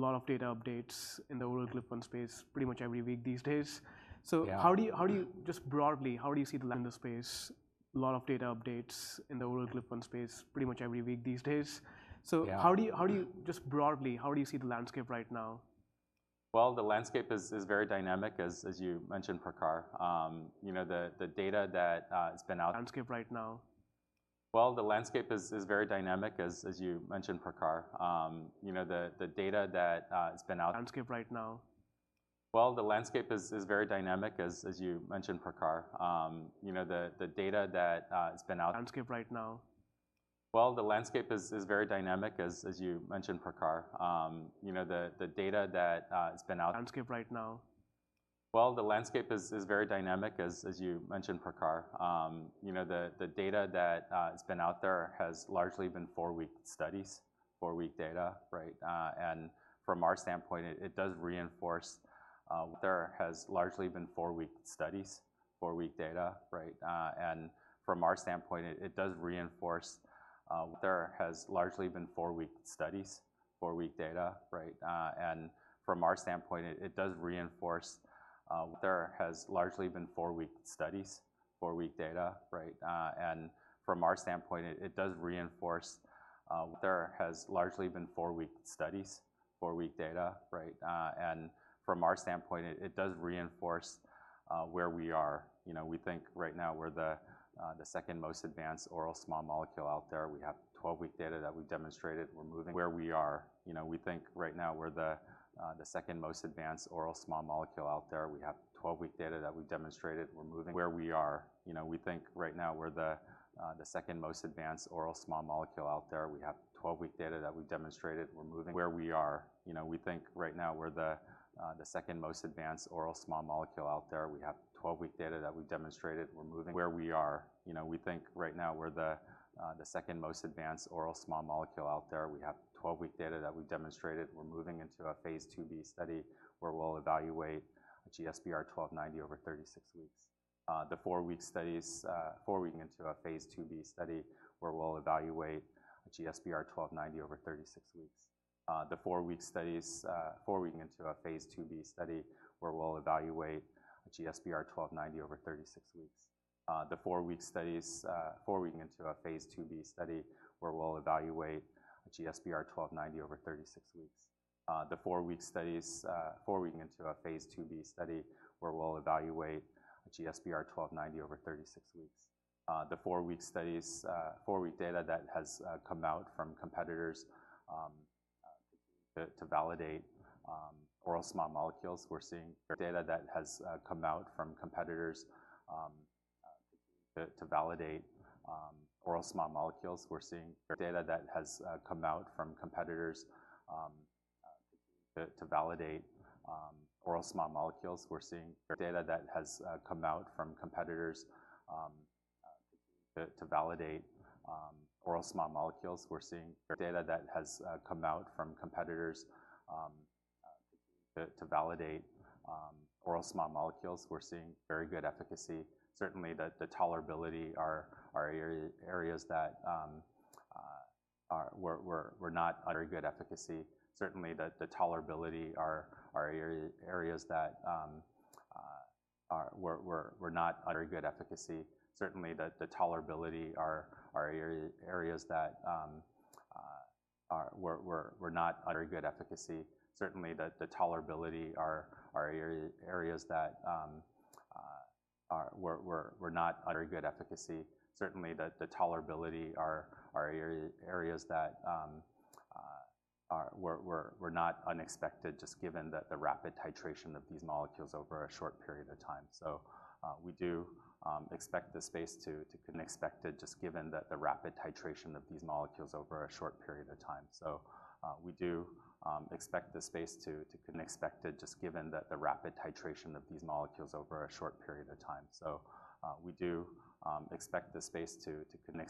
landscape right now? The landscape is very dynamic, as you mentioned, Prakhar. You know, the data that has been out. Landscape right now? The landscape is very dynamic, as you mentioned, Prakhar. You know, the data that has been out. Landscape right now? The landscape is very dynamic, as you mentioned, Prakhar. You know, the data that has been out. Landscape right now? The landscape is very dynamic, as you mentioned, Prakhar. You know, the data that has been out there has largely been four-week studies, four-week data, right? And from our standpoint, it does reinforce where we are. You know, we think right now we're the second-most advanced oral small molecule out there. We have twelve-week data that we've demonstrated. We're moving where we are. You know, we think right now we're the second-most advanced oral small molecule out there. We have twelve-week data that we've demonstrated. You know, we think right now we're the second-most advanced oral small molecule out there. We're moving into a phase IIb study, where we'll evaluate GSBR-1290 over 36 weeks. The four-week studies, four week into a phase IIb study, where we'll evaluate GSBR-1290 over 36 weeks. The four-week studies, four week data that has come out from competitors to validate oral small molecules. We're seeing data that has come out from competitors to validate oral small molecules. We're seeing very good efficacy. Certainly, the tolerability are areas that were not very good efficacy. Certainly, the tolerability areas that were not unexpected, just given the rapid titration of these molecules over a short period of time. So, we do expect the space to continue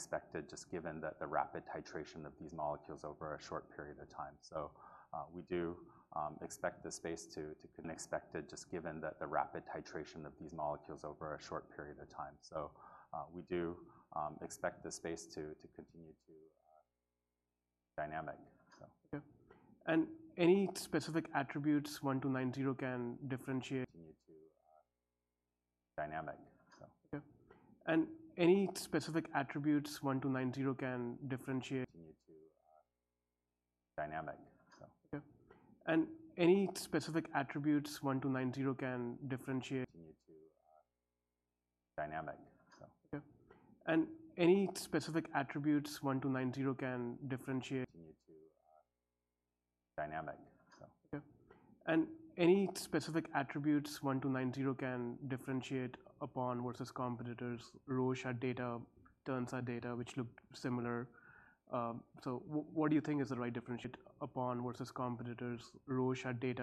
to dynamic, so. Okay. And any specific attributes GSBR-1290 can differentiate? Continue to dynamic, so. Okay. And any specific attributes GSBR-1290 can differentiate? Continue to dynamic, so. Okay, and any specific attributes GSBR-1290 can differentiate? Continue to dynamic, so. Okay. And any specific attributes GSBR-1290 can differentiate? Continue to dynamic, so. Okay. And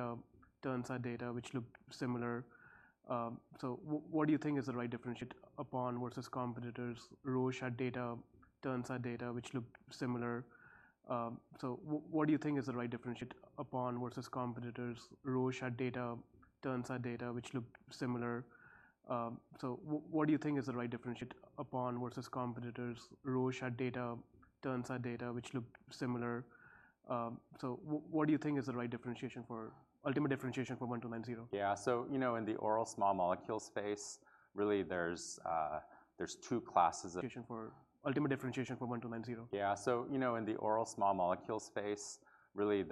any specific attributes 1290 can differentiate upon versus competitors? Roche had data, Terns data, which looked similar. So what do you think is the right differentiation, ultimate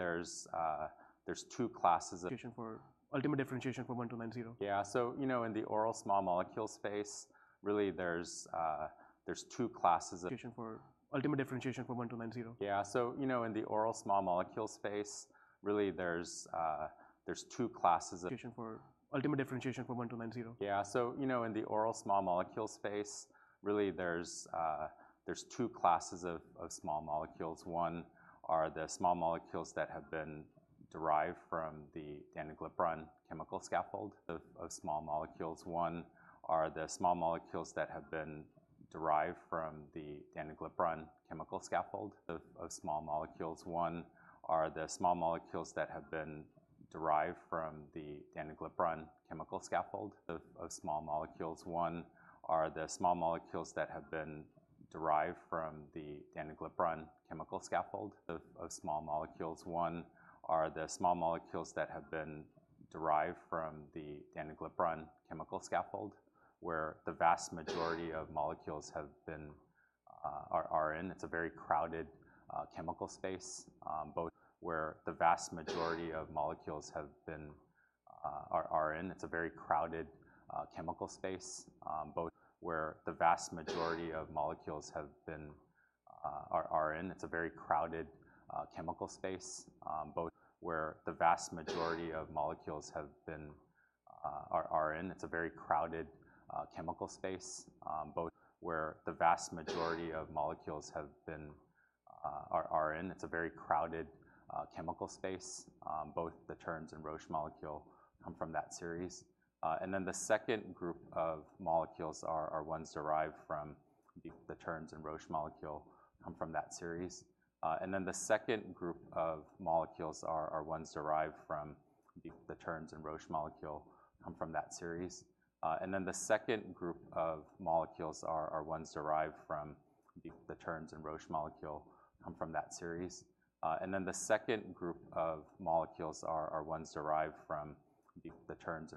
differentiation for 1290? Yeah, so, you know, in the oral small molecule space, really there's two classes of. Differentiation for ultimate differentiation for GSBR-1290. Yeah, so, you know, in the oral small molecule space, really there's two classes of. Differentiation for ultimate differentiation for 1290. Yeah, so, you know, in the oral small molecule space, really there's two classes of. Differentiation for ultimate differentiation for 1290. Yeah, so, you know, in the oral small molecule space, really there's two classes of- Differentiation for ultimate differentiation for 1290. Yeah, so, you know, in the oral small molecule space, really there's two classes of small molecules. One are the small molecules that have been derived from the danuglipron chemical scaffold, where the vast majority of molecules are in. It's a very crowded chemical space, both. Where the vast majority of molecules have been are in. It's a very crowded chemical space both the Terns and Roche molecule come from that series. And then the second group of molecules are ones derived from the. And then the second group of molecules are ones derived from the orforglipron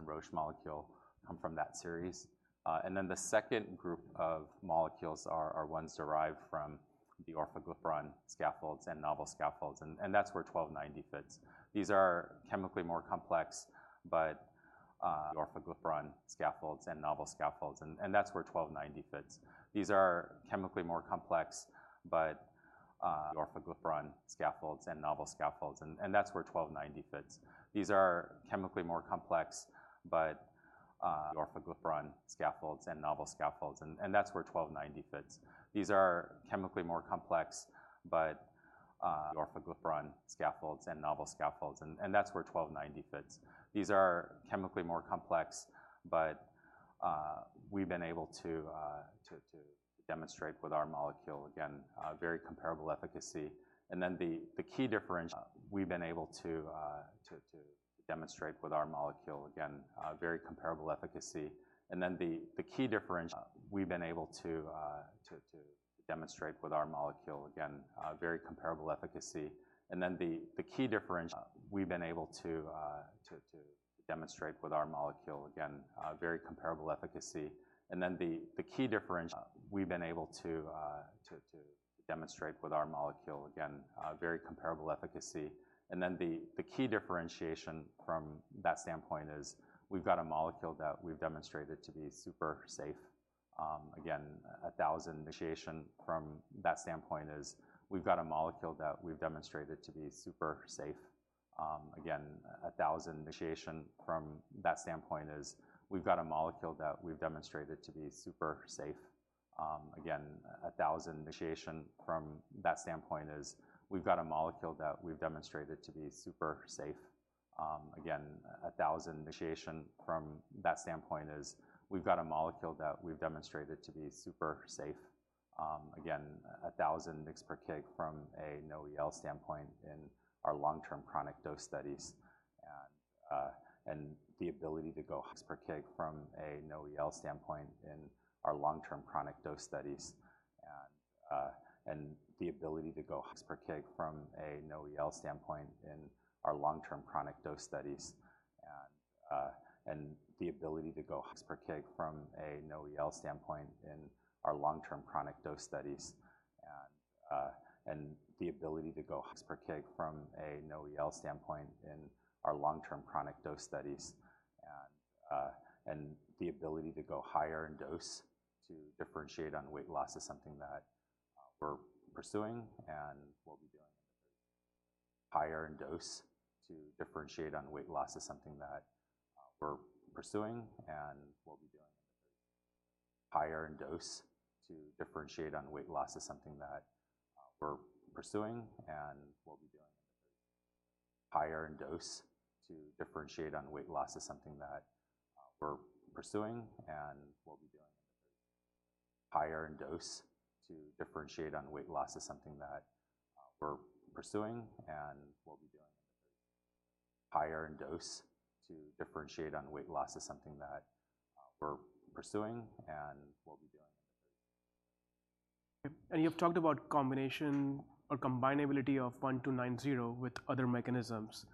scaffolds and novel scaffolds, and that's where 1290 fits. These are chemically more complex, but we've been able to demonstrate with our molecule again a very comparable efficacy. And then the key differential. And then the key differential. We've been able to demonstrate with our molecule again a very comparable efficacy. And then the key differentiation from that standpoint is, we've got a molecule that we've demonstrated to be super safe. Again, a thousand, Again, a thousand mg/kg from a NOAEL standpoint in our long-term chronic dose studies, and the ability to go higher in dose to differentiate on weight loss is something that we're pursuing and what we'll be doing. Higher in dose to differentiate on weight loss is something that we're pursuing, and we'll be doing. You've talked about combination or combinability of 1290 with other mechanisms,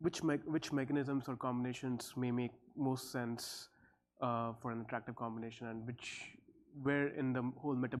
which mechanisms or combinations may make most sense for an attractive combination and which where in the whole meta.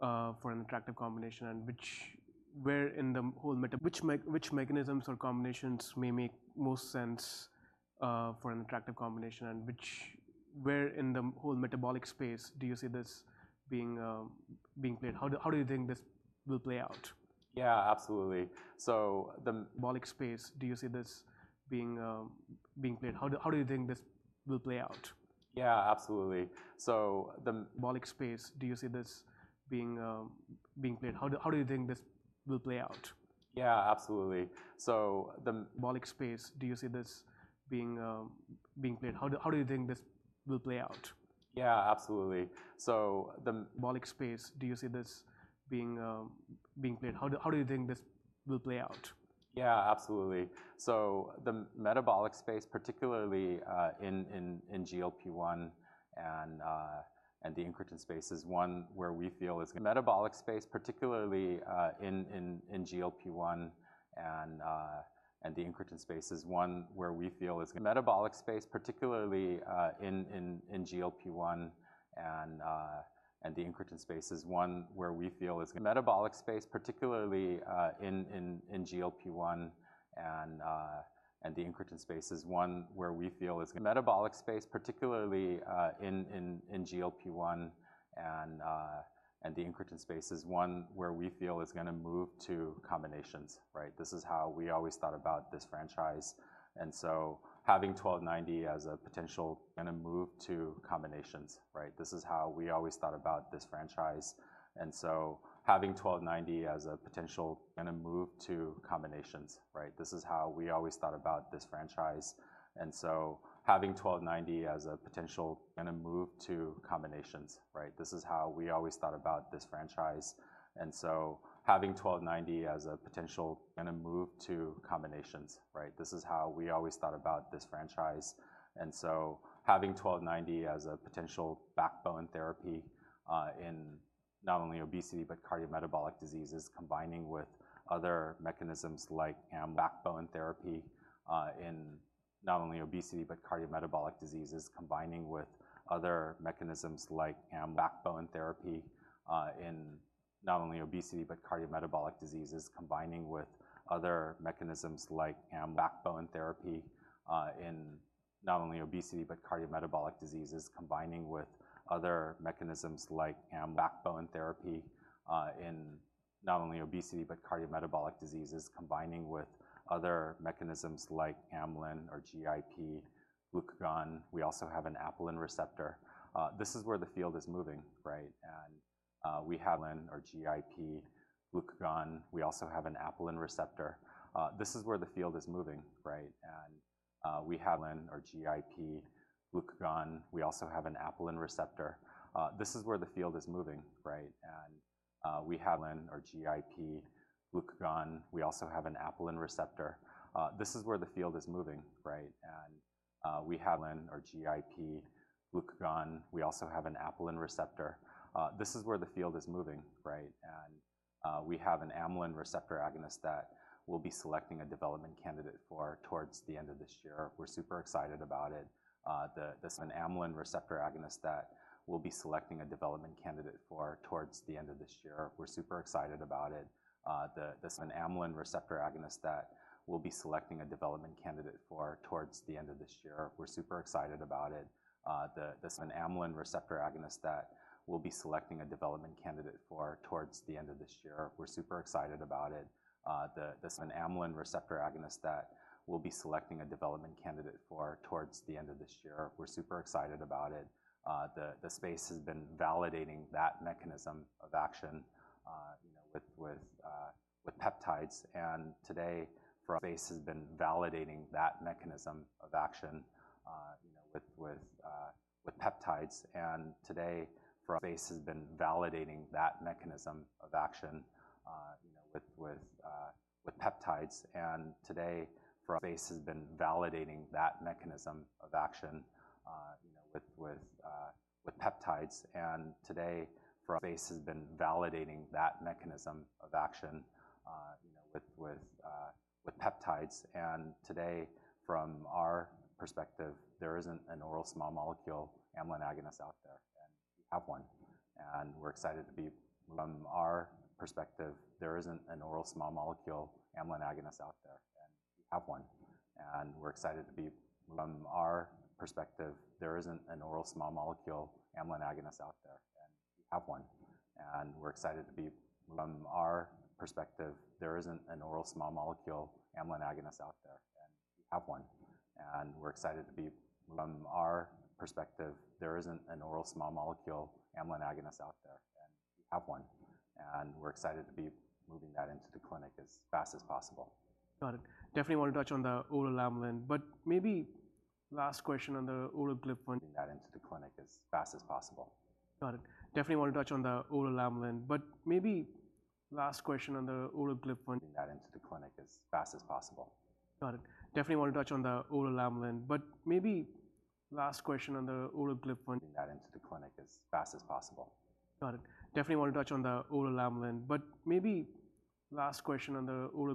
Which mechanisms or combinations may make most sense for an attractive combination and where in the whole metabolic space do you see this being played? How do you think this will play out? Yeah, absolutely. So the. Metabolic space, do you see this being played? How do you think this will play out? Yeah, absolutely. Metabolic space, do you see this being played? How do you think this will play out? Yeah, absolutely. Metabolic space, do you see this being played? How do you think this will play out? Yeah, absolutely. So the. Metabolic space, do you see this being played? How do you think this will play out? Yeah, absolutely. So the metabolic space, particularly, in GLP-1 and the incretin space is one where we feel it's gonna move to combinations, right? This is how we always thought about this franchise. And so having 1290 as a potential having1290 as a potential backbone therapy in not only obesity but cardiometabolic diseases, combining with other mechanisms like amylin or GIP glucagon. We also have an apelin receptor. This is where the field is moving, right? And we have amylin or GIP glucagon. We also have an apelin receptor. This is where the field is moving, right? And we have GLP-1 or GIP glucagon. We also have an apelin receptor. And we have an amylin receptor agonist that will be selecting a development candidate for towards the end of this year. We're super excited about it. The space has been validating that mechanism of action, you know, with peptides. Today, from our perspective, there isn't an oral small molecule amylin agonist out there, and we have one. And we're excited to be. We're excited to be, from our perspective, there isn't an oral small molecule amylin agonist out there, and we have one. We're excited to be moving that into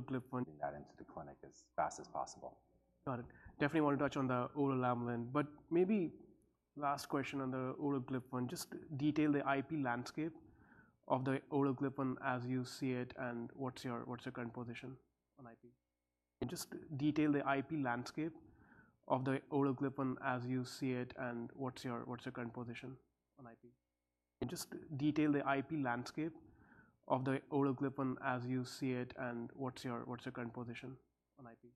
the clinic as fast as possible. Got it. Definitely want to touch on the oral amylin, but maybe last question on the oral GLP. That into the clinic as fast as possible. Got it. Definitely wanna touch on the oral amylin, but maybe last question on the oral GLP. That into the clinic as fast as possible. Got it. Definitely want to touch on the oral amylin, but maybe last question on the oral GLP. That into the clinic as fast as possible. Got it. Definitely wanna touch on the oral amylin, but maybe last question on the oral GLP. That into the clinic as fast as possible. Got it. Definitely want to touch on the oral amylin, but maybe last question on the oral GLP-1. Just detail the IP landscape of the oral GLP-1 as you see it, and what's your current position on IP?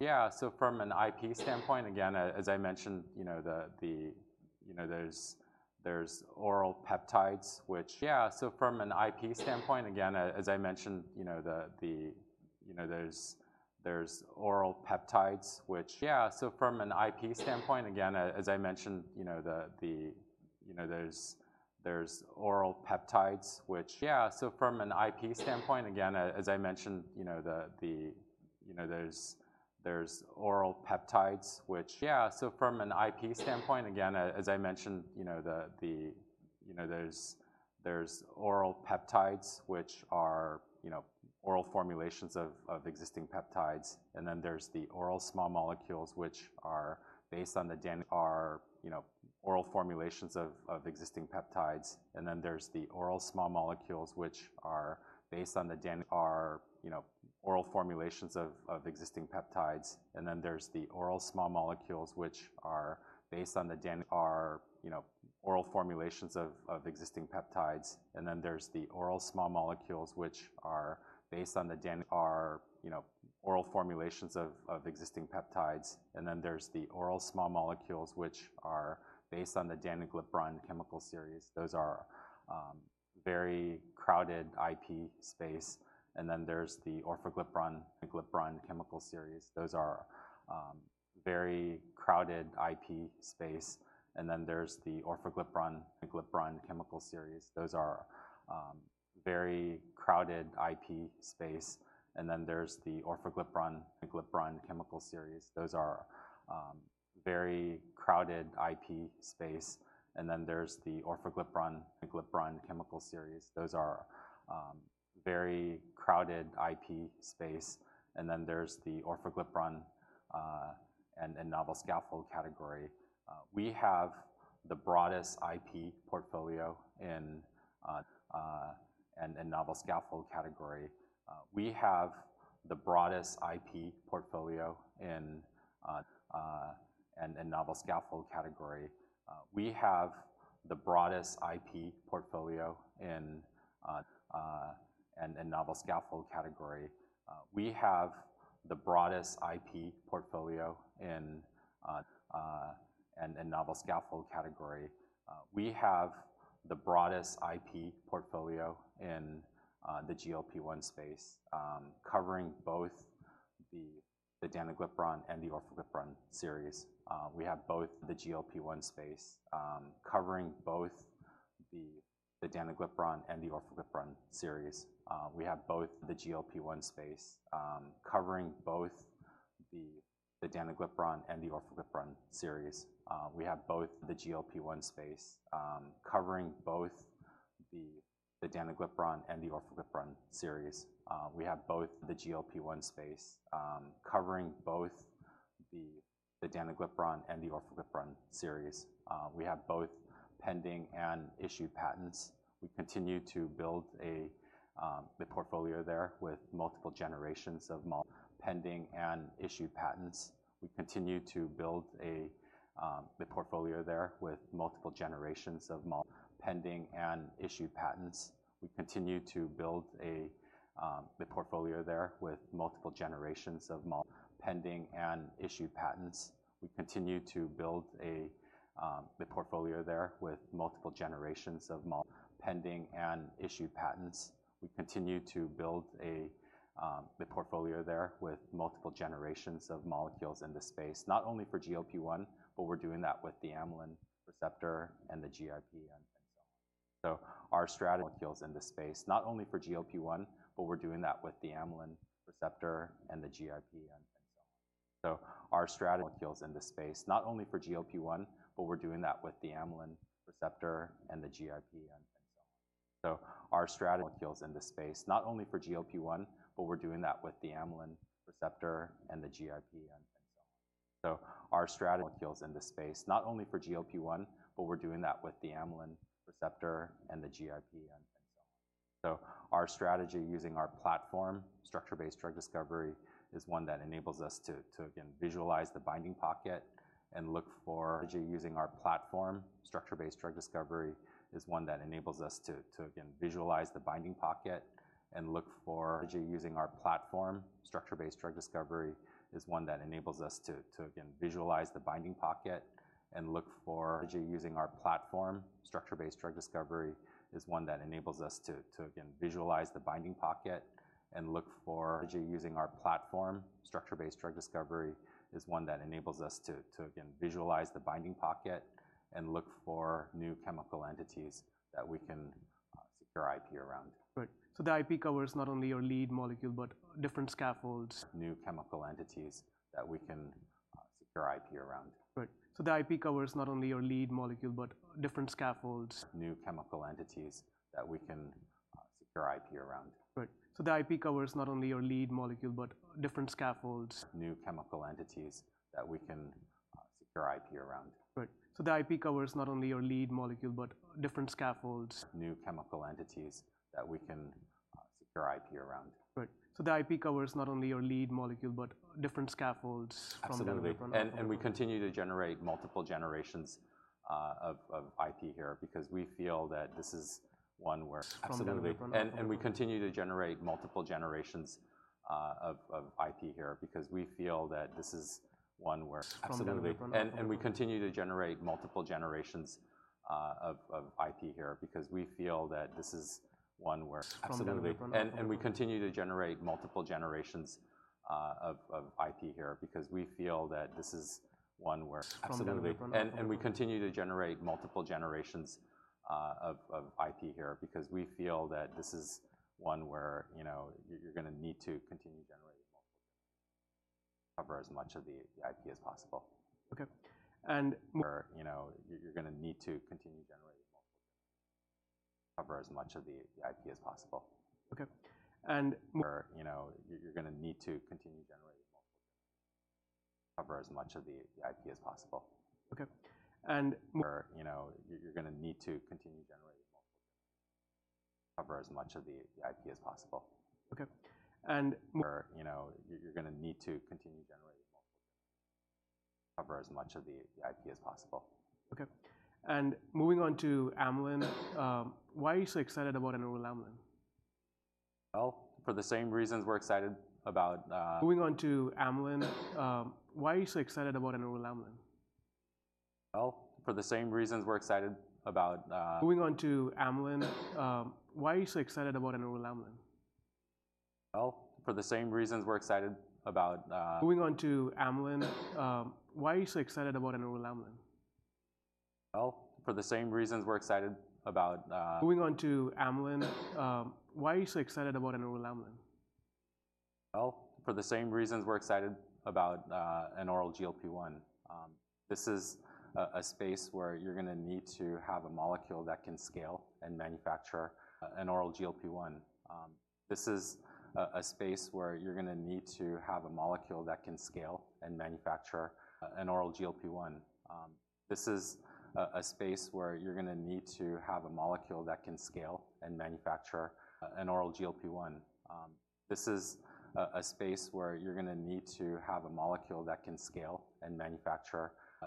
Yeah, so from an IP standpoint, again, as I mentioned, you know, the. You know, there's oral peptides which are, you know, oral formulations of existing peptides, and then there's the oral small molecules which are based on the danuglipron. There are, you know, oral formulations of existing peptides, and then there's the oral small molecules which are based on the danuglipron chemical series. Those are very crowded IP space, and then there's the orforglipron chemical series. Those are very crowded IP space, and then there's the orforglipron and novel scaffold category. We have the broadest IP portfolio in the novel scaffold category. We have the broadest IP portfolio in the novel scaffold category. We have the broadest IP portfolio in the GLP-1 space, covering both the danuglipron and the orforglipron series. We have both pending and issued patents. We continue to build the portfolio there with multiple generations of molecules in the space, not only for GLP-1, but we're doing that with the amylin receptor and the GLP and so on. So our strategy molecules in the space, not only for GLP-1, but we're doing that with the amylin receptor and the GIP and so on. So our strategy using our platform, structure-based drug discovery, is one that enables us to again visualize the binding pocket and look for new chemical entities that we can secure IP around. Right. So the IP covers not only your lead molecule, but different scaffolds. New chemical entities that we can secure IP around. Right. So the IP covers not only your lead molecule, but different scaffolds. New chemical entities that we can secure IP around. Right. So the IP covers not only your lead molecule, but different scaffolds. New chemical entities that we can secure IP around. Right. So the IP covers not only your lead molecule, but different scaffolds. Absolutely. From the. We continue to generate multiple generations of IP here because we feel that this is one where. Absolutely. From the. We continue to generate multiple generations of IP here because we feel that this is one where- Absolutely. From the. We continue to generate multiple generations of IP here because we feel that this is one where. Absolutely. From the. We continue to generate multiple generations of IP here because we feel that this is one where, you know, you're gonna need to continue generating multiple... cover as much of the IP as possible. Okay. Where, you know, you're gonna need to continue generating multiple... cover as much of the IP as possible. Okay. Where, you know, you're gonna need to continue generating multiple... cover as much of the IP as possible. Okay. Where, you know, you're gonna need to continue generating multiple... cover as much of the IP as possible. Okay. And moving on to amylin, why are you so excited about an oral amylin? Well, for the same reasons we're excited about, Moving on to amylin, why are you so excited about an oral amylin? For the same reasons we're excited about. Moving on to amylin, why are you so excited about an oral amylin? For the same reasons we're excited about. Moving on to amylin, why are you so excited about an oral amylin? For the same reasons we're excited about. Moving on to amylin, why are you so excited about an oral amylin? For the same reasons we're excited about an oral GLP-1. This is a space where you're gonna need to have a molecule that can scale and manufacture an oral GLP-1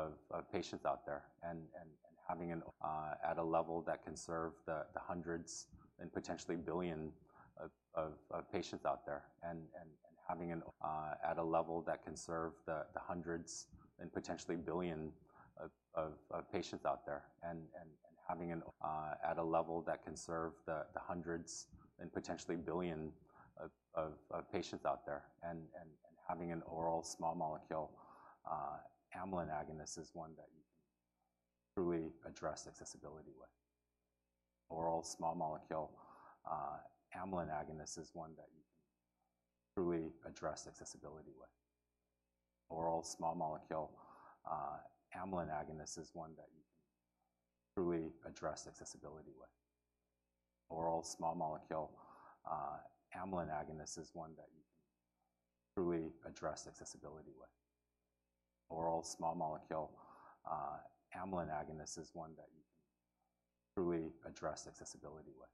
at a level that can serve the hundreds and potentially billion of patients out there. And having an, at a level that can serve the hundreds and potentially billion of patients out there, and having an oral small molecule amylin agonist is one that you can truly address accessibility with.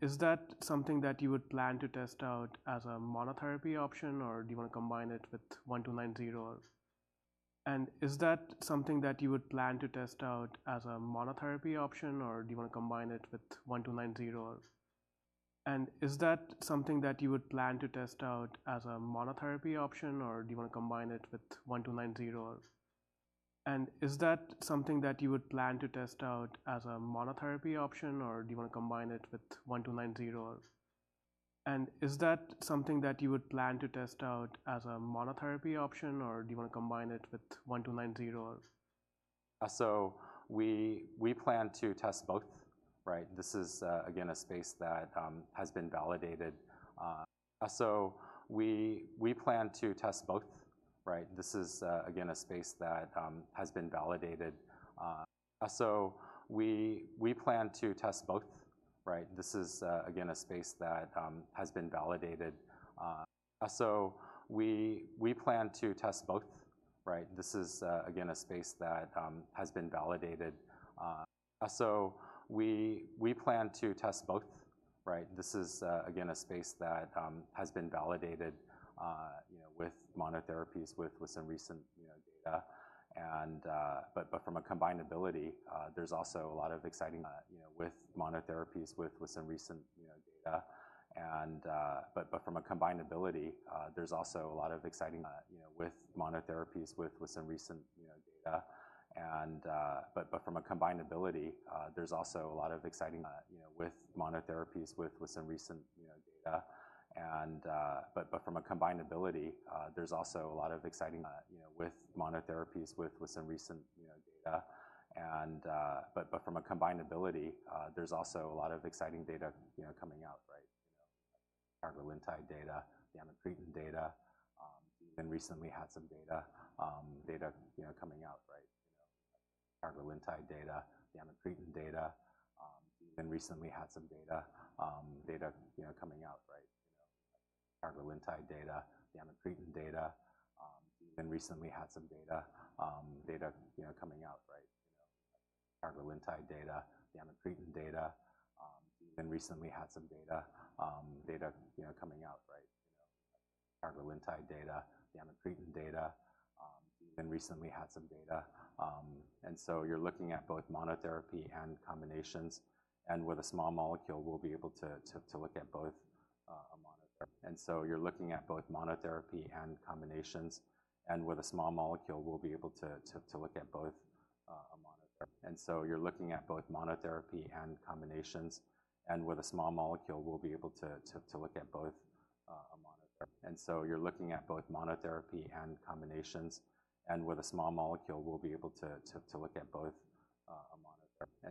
Is that something that you would plan to test out as a monotherapy option, or do you wanna combine it with 1290? So we plan to test both, right? This is again a space that has been validated. This is again a space that has been validated, you know, with monotherapies, with some recent, you know, data and, but from a combinability, there's also a lot of exciting data, you know, coming out, right? You know, cagrilintide data, the amycretin data, even recently had some data, you know, coming out, right? You know, cagrilintide data, the amycretin data, even recently had some data coming out, right? And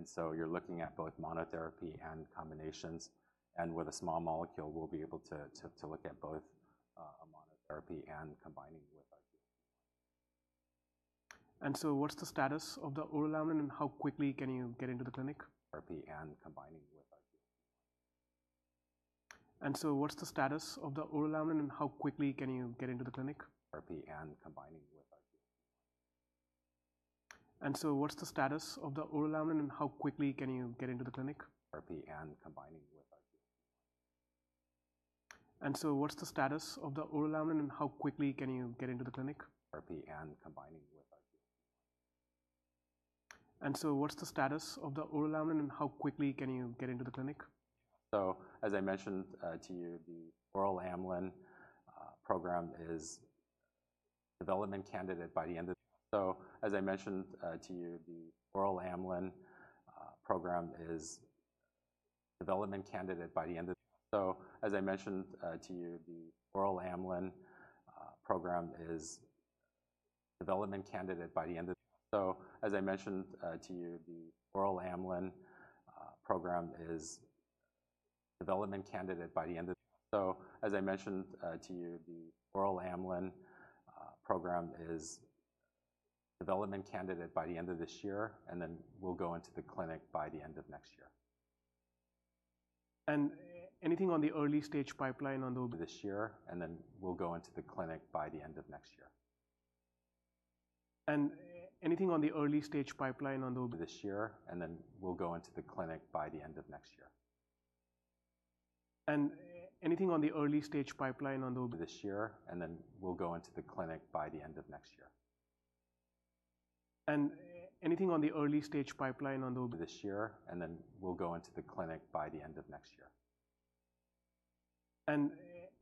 so you're looking at both monotherapy and combinations, and with a small molecule, we'll be able to look at both a monotherapy. You're looking at both monotherapy and combinations, and with a small molecule, we'll be able to look at both a monotherapy and combining with our- And so what's the status of the oral amylin, and how quickly can you get into the clinic? Therapy and combining with our. What's the status of the oral amylin, and how quickly can you get into the clinic? Therapy and combining with our. What's the status of the oral amylin, and how quickly can you get into the clinic? Therapy and combining with our. What's the status of the oral amylin, and how quickly can you get into the clinic? Therapy and combining with our What's the status of the oral amylin, and how quickly can you get into the clinic? As I mentioned to you, the oral amylin program is development candidate by the end of this year, and then we'll go into the clinic by the end of next year. And anything on the early-stage pipeline on the. This year, and then we'll go into the clinic by the end of next year. And anything on the early-stage pipeline on the. This year, and then we'll go into the clinic by the end of next year. And anything on the early-stage pipeline on the. This year, and then we'll go into the clinic by the end of next year.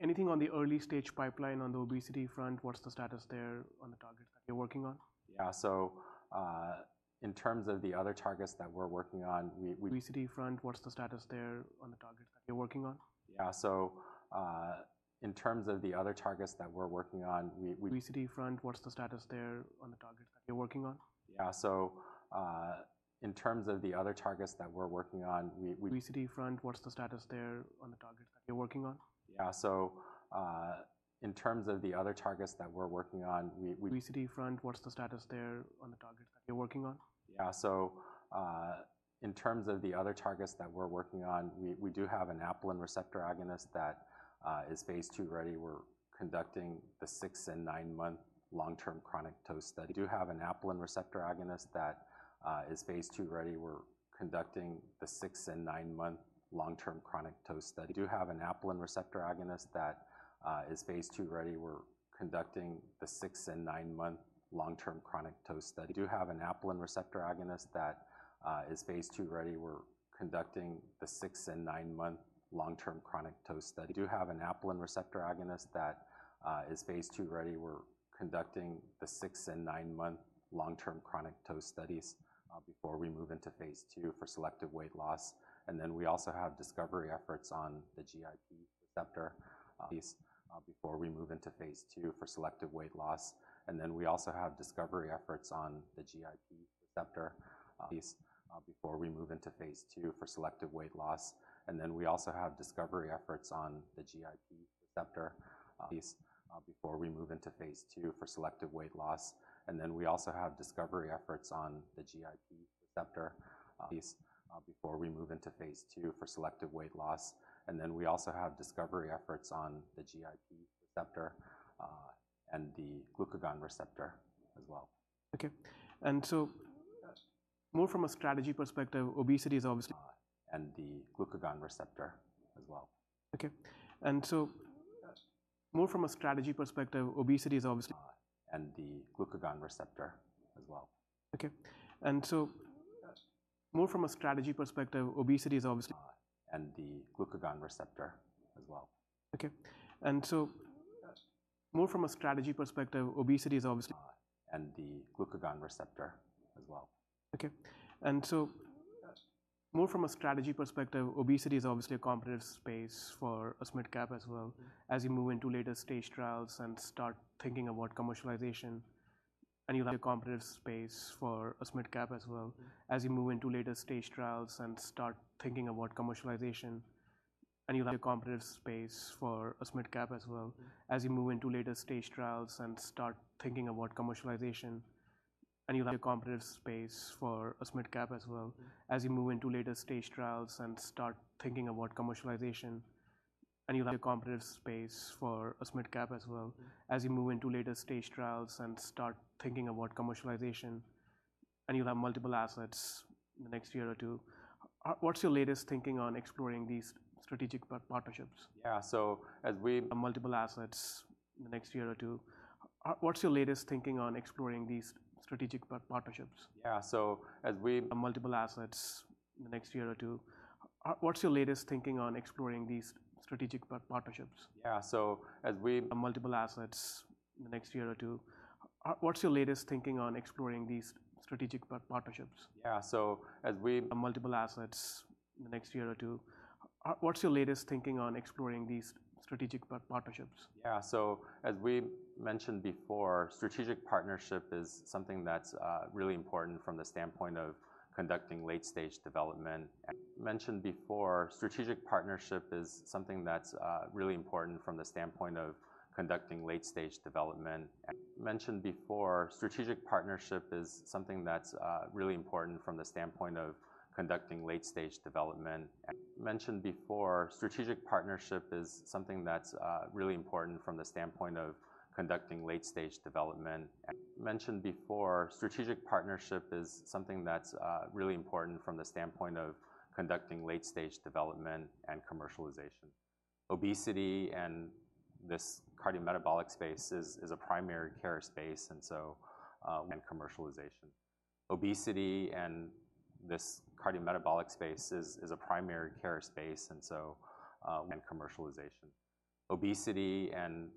Anything on the early-stage pipeline on the. This year, and then we'll go into the clinic by the end of next year. Anything on the early-stage pipeline on the obesity front? What's the status there on the targets that you're working on? Yeah. So, in terms of the other targets that we're working on, we. Obesity front, what's the status there on the targets that you're working on? Yeah. So, in terms of the other targets that we're working on, we. Obesity front, what's the status there on the targets that you're working on? Yeah. So, in terms of the other targets that we're working on, we. Obesity front, what's the status there on the targets that you're working on? Yeah. So, in terms of the other targets that we're working on, we. Obesity front, what's the status there on the targets that you're working on? Yeah. So, in terms of the other targets that we're working on, we do have an apelin receptor agonist that is phase II-ready. We're conducting the six and nine-month long-term chronic tox studies before we move into phase II for selective weight loss. And then we also have discovery efforts on the GIP receptor before we move into phase II for selective weight loss. And then we also have discovery efforts on the GIP receptor and the glucagon receptor as well. Okay. Yes. More from a strategy perspective, obesity is obviously And the glucagon receptor as well. Okay. And so. Yes. More from a strategy perspective, obesity is obviously And the glucagon receptor as well. Okay. Yes. more from a strategy perspective, obesity is obviously And the glucagon receptor as well. Okay. And so- Yes. More from a strategy perspective, obesity is obviously- And the glucagon receptor as well. Okay. Yes. more from a strategy perspective, obesity is obviously a competitive space for a midcap as well as you move into later stage trials and start thinking about commercialization, and you'll have multiple assets in the next year or two. What's your latest thinking on exploring these strategic partnerships? Yeah. So as we. Multiple assets in the next year or two. What's your latest thinking on exploring these strategic partnerships? Yeah. So as we. Multiple assets in the next year or two. What's your latest thinking on exploring these strategic partnerships? Yeah. So as we. Multiple assets in the next year or two. What's your latest thinking on exploring these strategic partnerships? Yeah. So as we. multiple assets in the next year or two. What's your latest thinking on exploring these strategic partnerships? Yeah. So as we mentioned before, strategic partnership is something that's really important from the standpoint of conducting late-stage development and commercialization. Obesity and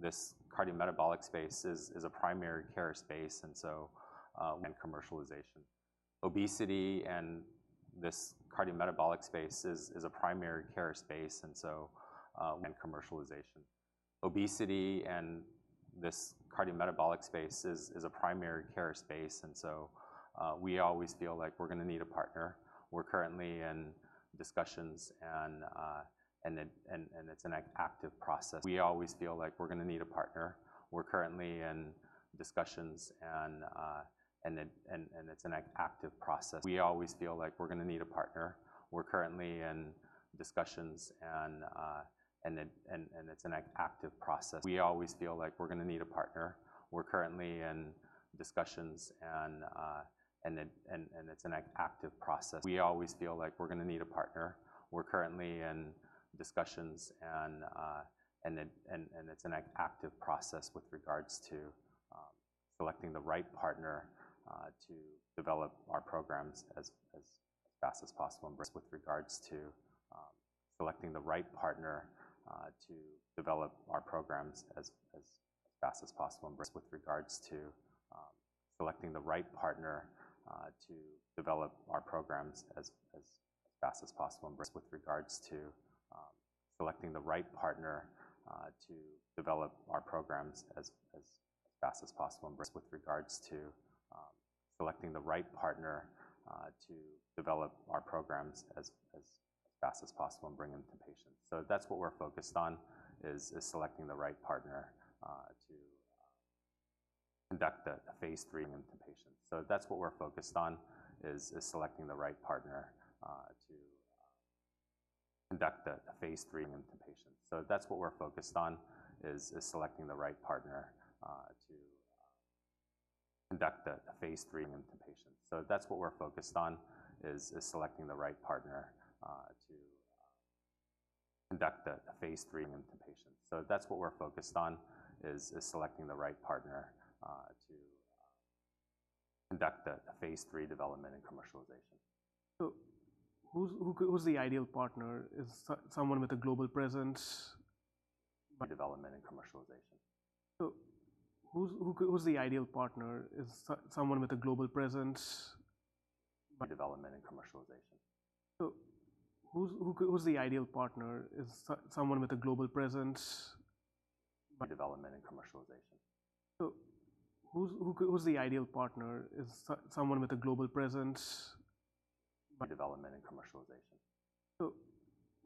this cardiometabolic space is a primary care space, and so we always feel like we're gonna need a partner. We're currently in discussions and it's an active process. We always feel like we're gonna need a partner. We're currently in discussions and it's an active process with regards to selecting the right partner to develop our programs as fast as possible and bring them to patients. So that's what we're focused on, is selecting the right partner to conduct a phase III into patients. So that's what we're focused on is selecting the right partner to conduct a phase III development and commercialization. So who's the ideal partner? Is someone with a global presence? Development and commercialization. So who's the ideal partner? Is someone with a global presence? Development and commercialization. So who's the ideal partner? Is someone with a global presence? Development and commercialization.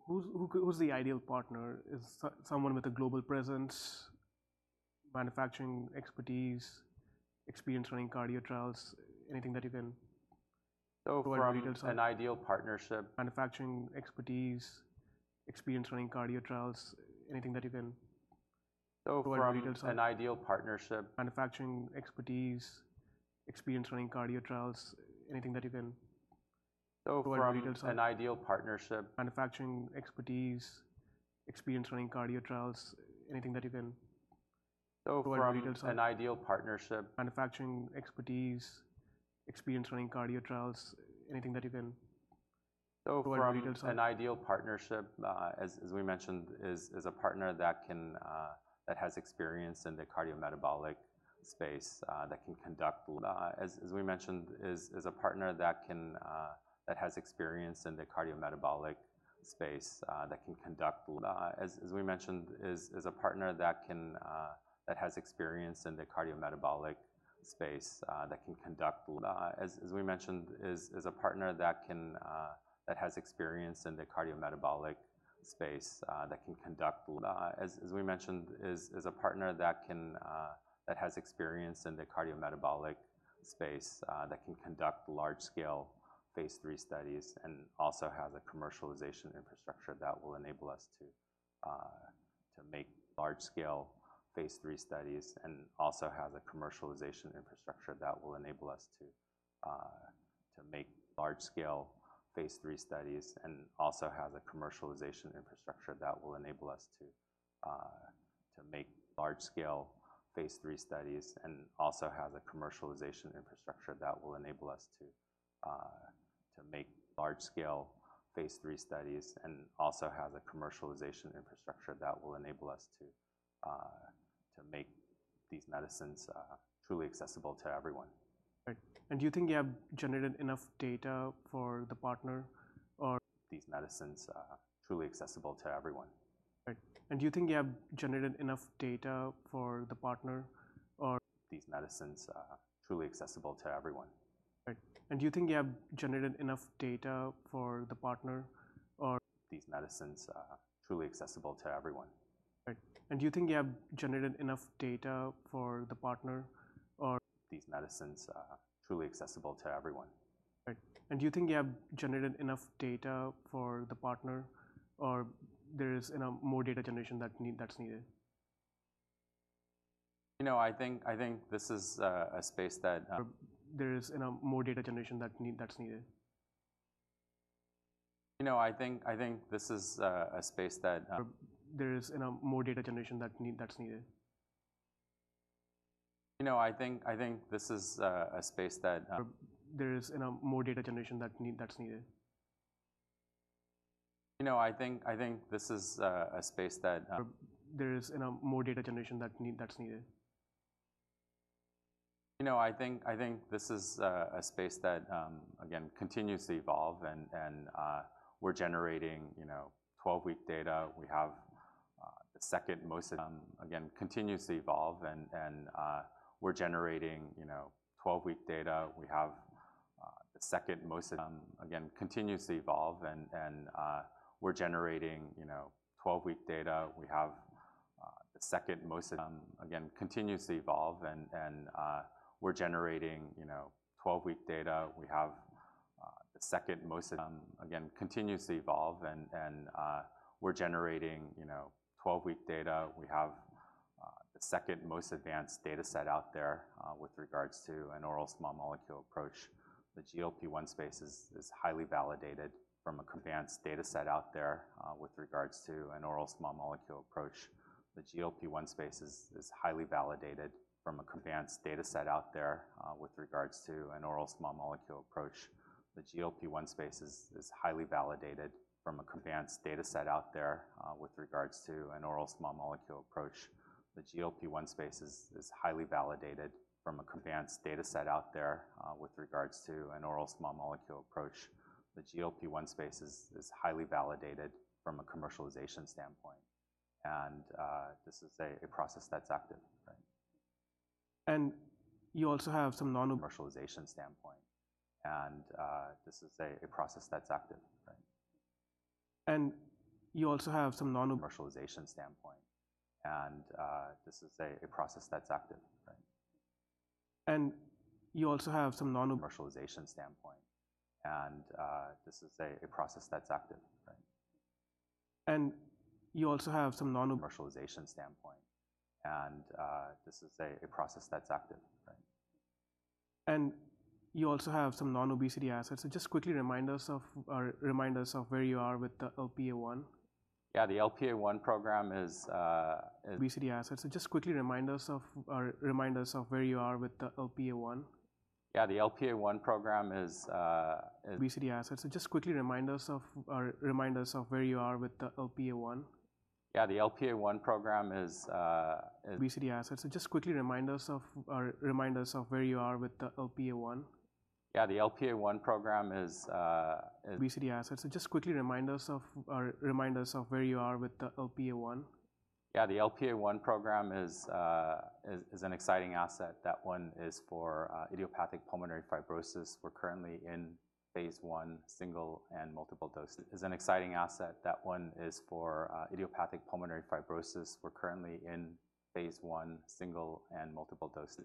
Who's the ideal partner? Is someone with a global presence? Development and commercialization. So who's the ideal partner? Is someone with a global presence, manufacturing expertise, experience running cardio trials, anything that you can. So from an ideal partnership. Manufacturing expertise, experience running cardio trials, anything that you can. So from an ideal partnership. Manufacturing expertise, experience running cardio trials, anything that you can. So from an ideal partnership. manufacturing expertise, experience running cardio trials, anything that you can. So from an ideal partnership. Manufacturing expertise, experience running cardio trials, anything that you can. So from an ideal partnership, as we mentioned, is a partner that has experience in the cardiometabolic space, that can conduct BD. As we mentioned, it is a partner that has experience in the cardiometabolic space that can conduct large-scale phase III studies and also has a commercialization infrastructure that will enable us to make these medicines truly accessible to everyone. Right. And do you think you have generated enough data for the partner or. These medicines truly accessible to everyone? Right. And do you think you have generated enough data for the partner or. These medicines truly accessible to everyone. Right. And do you think you have generated enough data for the partner or. These medicines truly accessible to everyone. Right. And do you think you have generated enough data for the partner or. These medicines truly accessible to everyone. Right, and do you think you have generated enough data for the partner, or there is, you know, more data generation that's needed? You know, I think this is a space that. Or there is, you know, more data generation that's needed. You know, I think this is a space that. Or there is, you know, more data generation that's needed. You know, I think this is a space that. Or there is, you know, more data generation that's needed. You know, I think this is a space that. Or there is, you know, more data generation that's needed. You know, I think this is a space that again continues to evolve and we're generating, you know, twelve-week data. We have the second most advanced dataset out there with regards to an oral small molecule approach. The GLP-1 space is highly validated from an advanced dataset out there with regards to an oral small molecule approach. The GLP-1 space is highly validated from an advanced dataset out there with regards to an oral small molecule approach. The GLP-1 space is highly validated from a commercialization standpoint, and this is a process that's active, right? And you also have some non. Commercialization standpoint, and this is a process that's active, right? And you also have some non. Commercialization standpoint, and this is a process that's active, right? And you also have some non. commercialization standpoint, and, this is a process that's active, right? And you also have some non. Commercialization standpoint, and this is a process that's active, right? And you also have some non-obesity assets. So just quickly remind us of where you are with the LPA1. Yeah, the LPA1 program is. Obesity assets. So, just quickly remind us of, or remind us of where you are with the LPA1. Yeah, the LPA1 program is. Obesity assets. So just quickly remind us of, or remind us of where you are with the LPA1. Yeah, the LPA1 program is. Obesity assets. So just quickly remind us of, or remind us of where you are with the LPA1. Yeah, the LPA1 program is, is. Obesity assets. So just quickly remind us of, or remind us of where you are with the LPA1. Yeah, the LPA1 program is an exciting asset. That one is for idiopathic pulmonary fibrosis. We're currently in Phase 1, single and multiple dose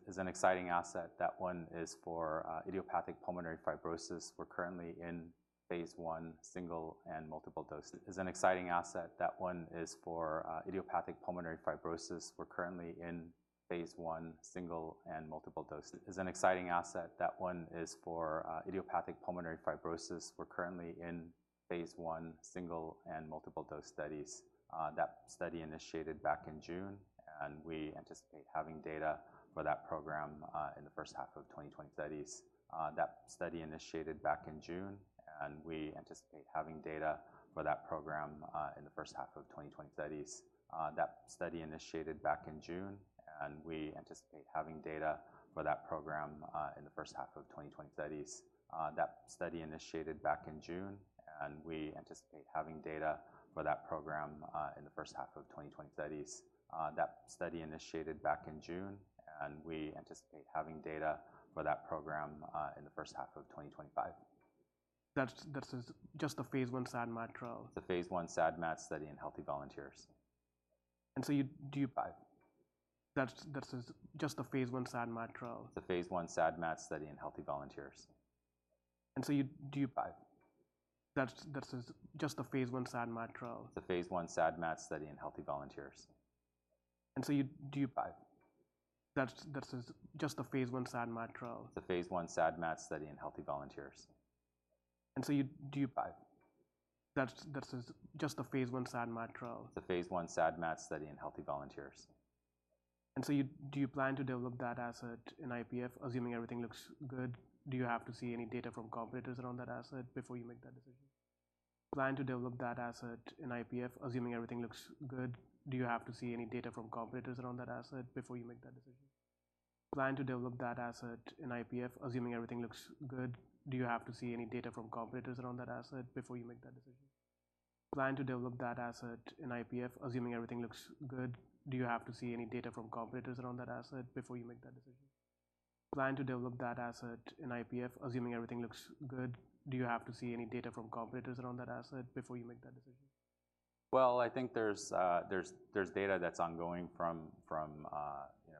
studies. That study initiated back in June, and we anticipate having data for that program in the first half of 2020. That study initiated back in June, and we anticipate having data for that program in the first half of 2025. That's this is just the phase I SAD/MAD trial? The phase I SAD/MAD study in healthy volunteers. Do you? Five. That is just the phase I SAD/MAD trial? The phase I SAD/MAD study in healthy volunteers. And so you, do you. Five. That is just the phase 1 SAD/MAD trial? The phase I SAD/MAD study in healthy volunteers. And so you, do you. Five. That is just the phase I SAD/MAD trial? The phase I SAD/MAD study in healthy volunteers. Do you plan to develop that asset in IPF, assuming everything looks good? Do you have to see any data from competitors around that asset before you make that decision? I think there's data that's ongoing from, you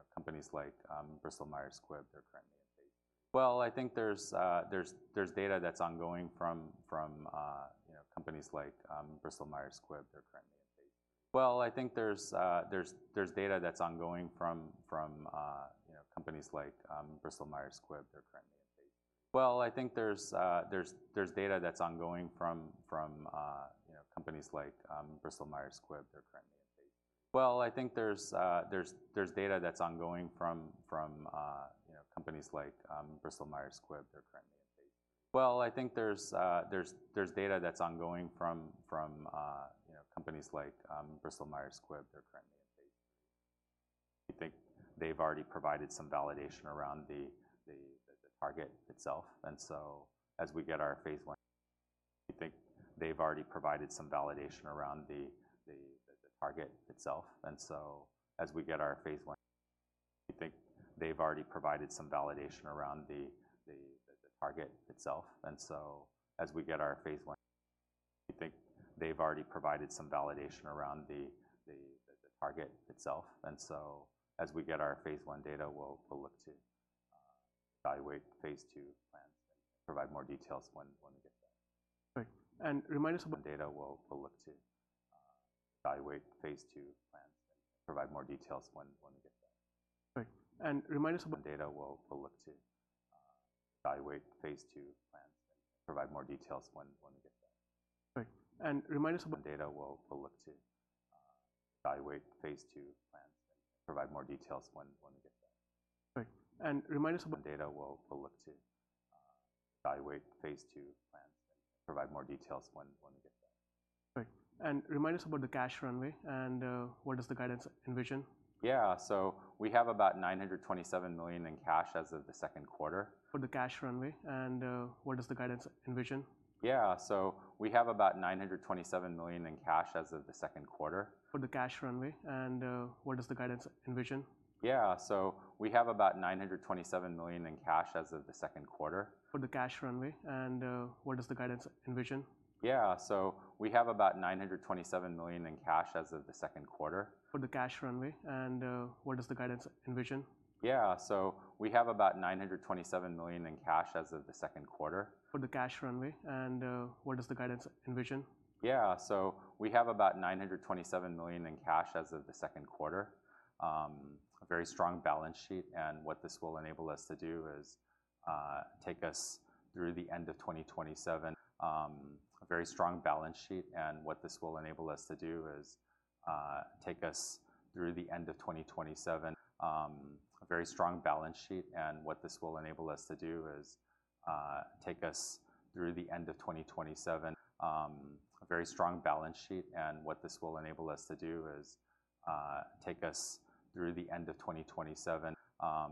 know, companies like Bristol Myers Squibb. They're currently in phase. I think they've already provided some validation around the target itself, and so as we get our phase I data, we'll look to evaluate phase II plans and provide more details when we get there. Right. And remind us about. The data, we'll look to evaluate phase II plans and provide more details when we get there. Right. And remind us about. The data, we'll look to evaluate phase II plans and provide more details when we get there. Right. Right, and remind us about. The data, we'll look to evaluate phase II plans and provide more details when we get there. Right. And remind us about the cash runway, and what does the guidance envision? Yeah. So we have about $927 million in cash as of the second quarter. For the cash runway, and, what does the guidance envision? Yeah. So we have about $927 million in cash as of the second quarter. For the cash runway, and, what does the guidance envision? Yeah. So we have about $927 million in cash as of the second quarter. For the cash runway, and, what does the guidance envision? Yeah, so we have about $927 million in cash as of the second quarter. For the cash runway, and, what does the guidance envision? Yeah. So we have about $927 million in cash as of the second quarter.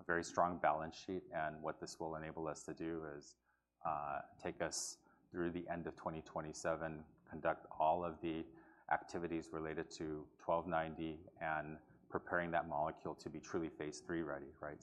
A very strong balance sheet, and what this will enable us to do is take us through the end of 2027. Conduct all of the activities related to 1290 and preparing that molecule to be truly Phase 3-ready, right?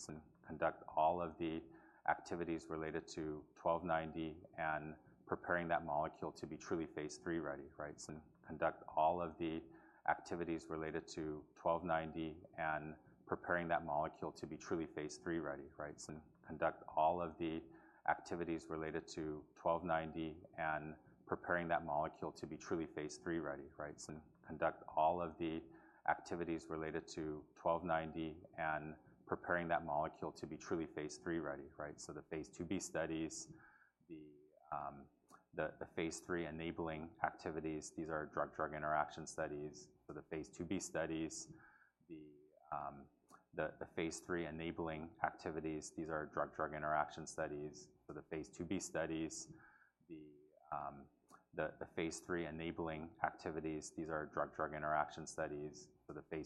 So the phase IIb studies, the phase III enabling activities, these are drug-drug interaction studies. The phase IIb studies, the phase III enabling activities. These are drug-drug interaction studies, hepatic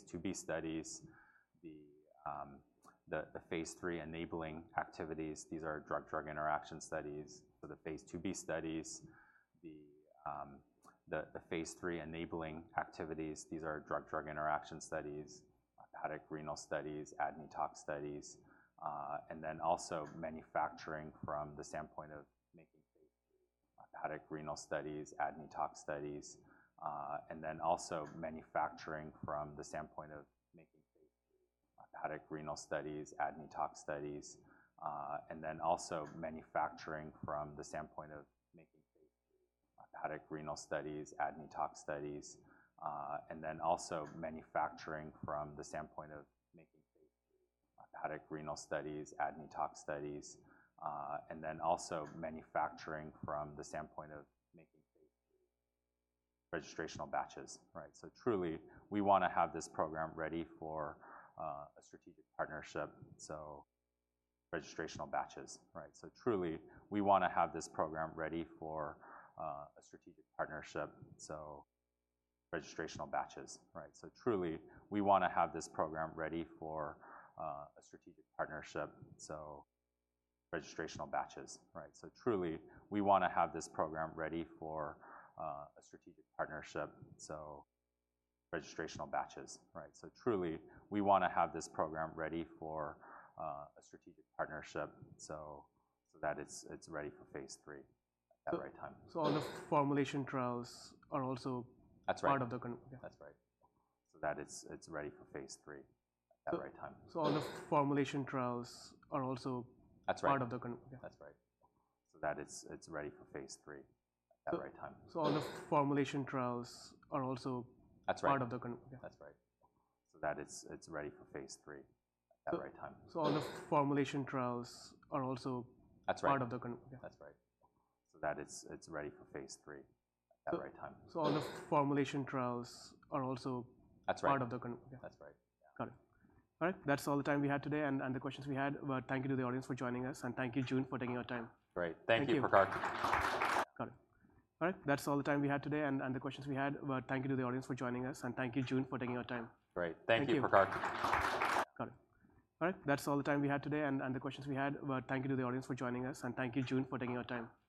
renal studies, ADME and tox studies, and then also manufacturing from the standpoint of making phase III. Registrational batches, right? Truly, we wanna have this program ready for a strategic partnership. Registrational batches, right? Truly, we wanna have this program ready for a strategic partnership so that it's ready for phase III at the right time. All the formulation trials are also. That's right. That's right. So that it's ready for phase III at the right time. So all the formulation trials are also. That's right. That's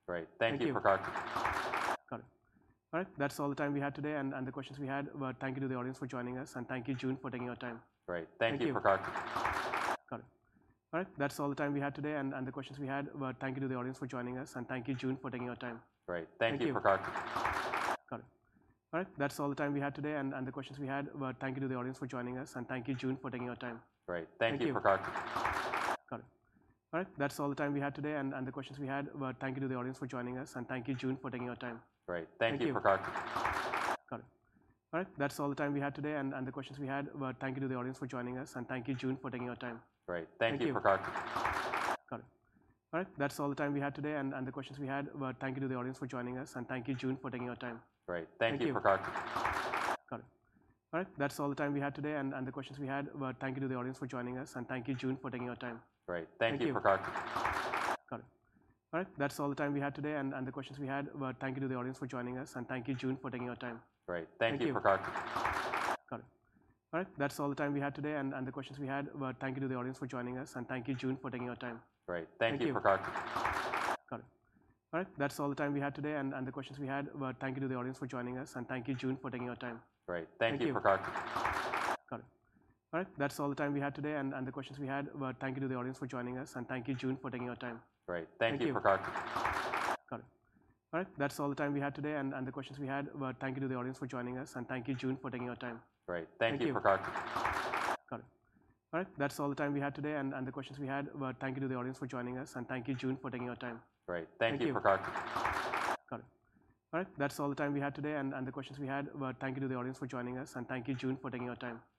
right. So that it's ready for phase III at the right time. All the formulation trials are also. That's right. That's right. So that it's ready for phase III at the right time. So all the formulation trials are also. That's right. That's right. So that it's ready for phase III at the right time. All the formulation trials are also. That's right. That's right. Got it. All right. That's all the time we had today and the questions we had. Well, thank you to the audience for joining us, and thank you, Jun, for taking your time. Great. Thank you, Prakhar. Got it. All right. That's all the time we had today and, and the questions we had. Thank you to the audience for joining us, and thank you, Jun, for taking your time.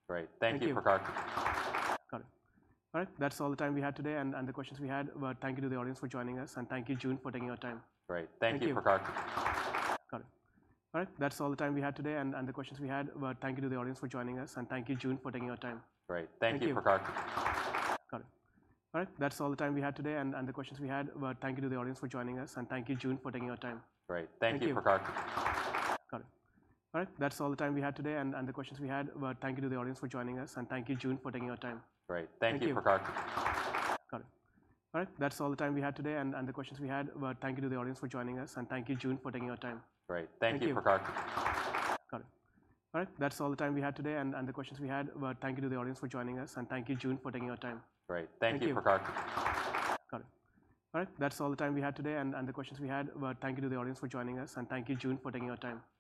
Great. Thank you, Prakhar. Got it. All right. That's all the time we had today and the questions we had. Thank you to the audience for joining us, and thank you, Jun, for taking your time. Great. Thank you, Prakhar. Got it. All right. That's all the time we had today and the questions we had. Thank you to the audience for joining us, and thank you, Jun, for taking your time.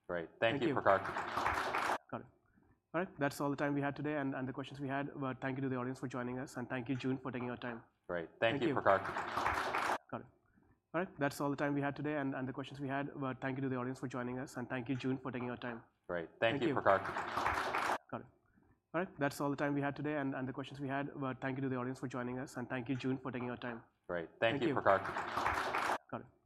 Great. Thank you, Prakhar. Got it.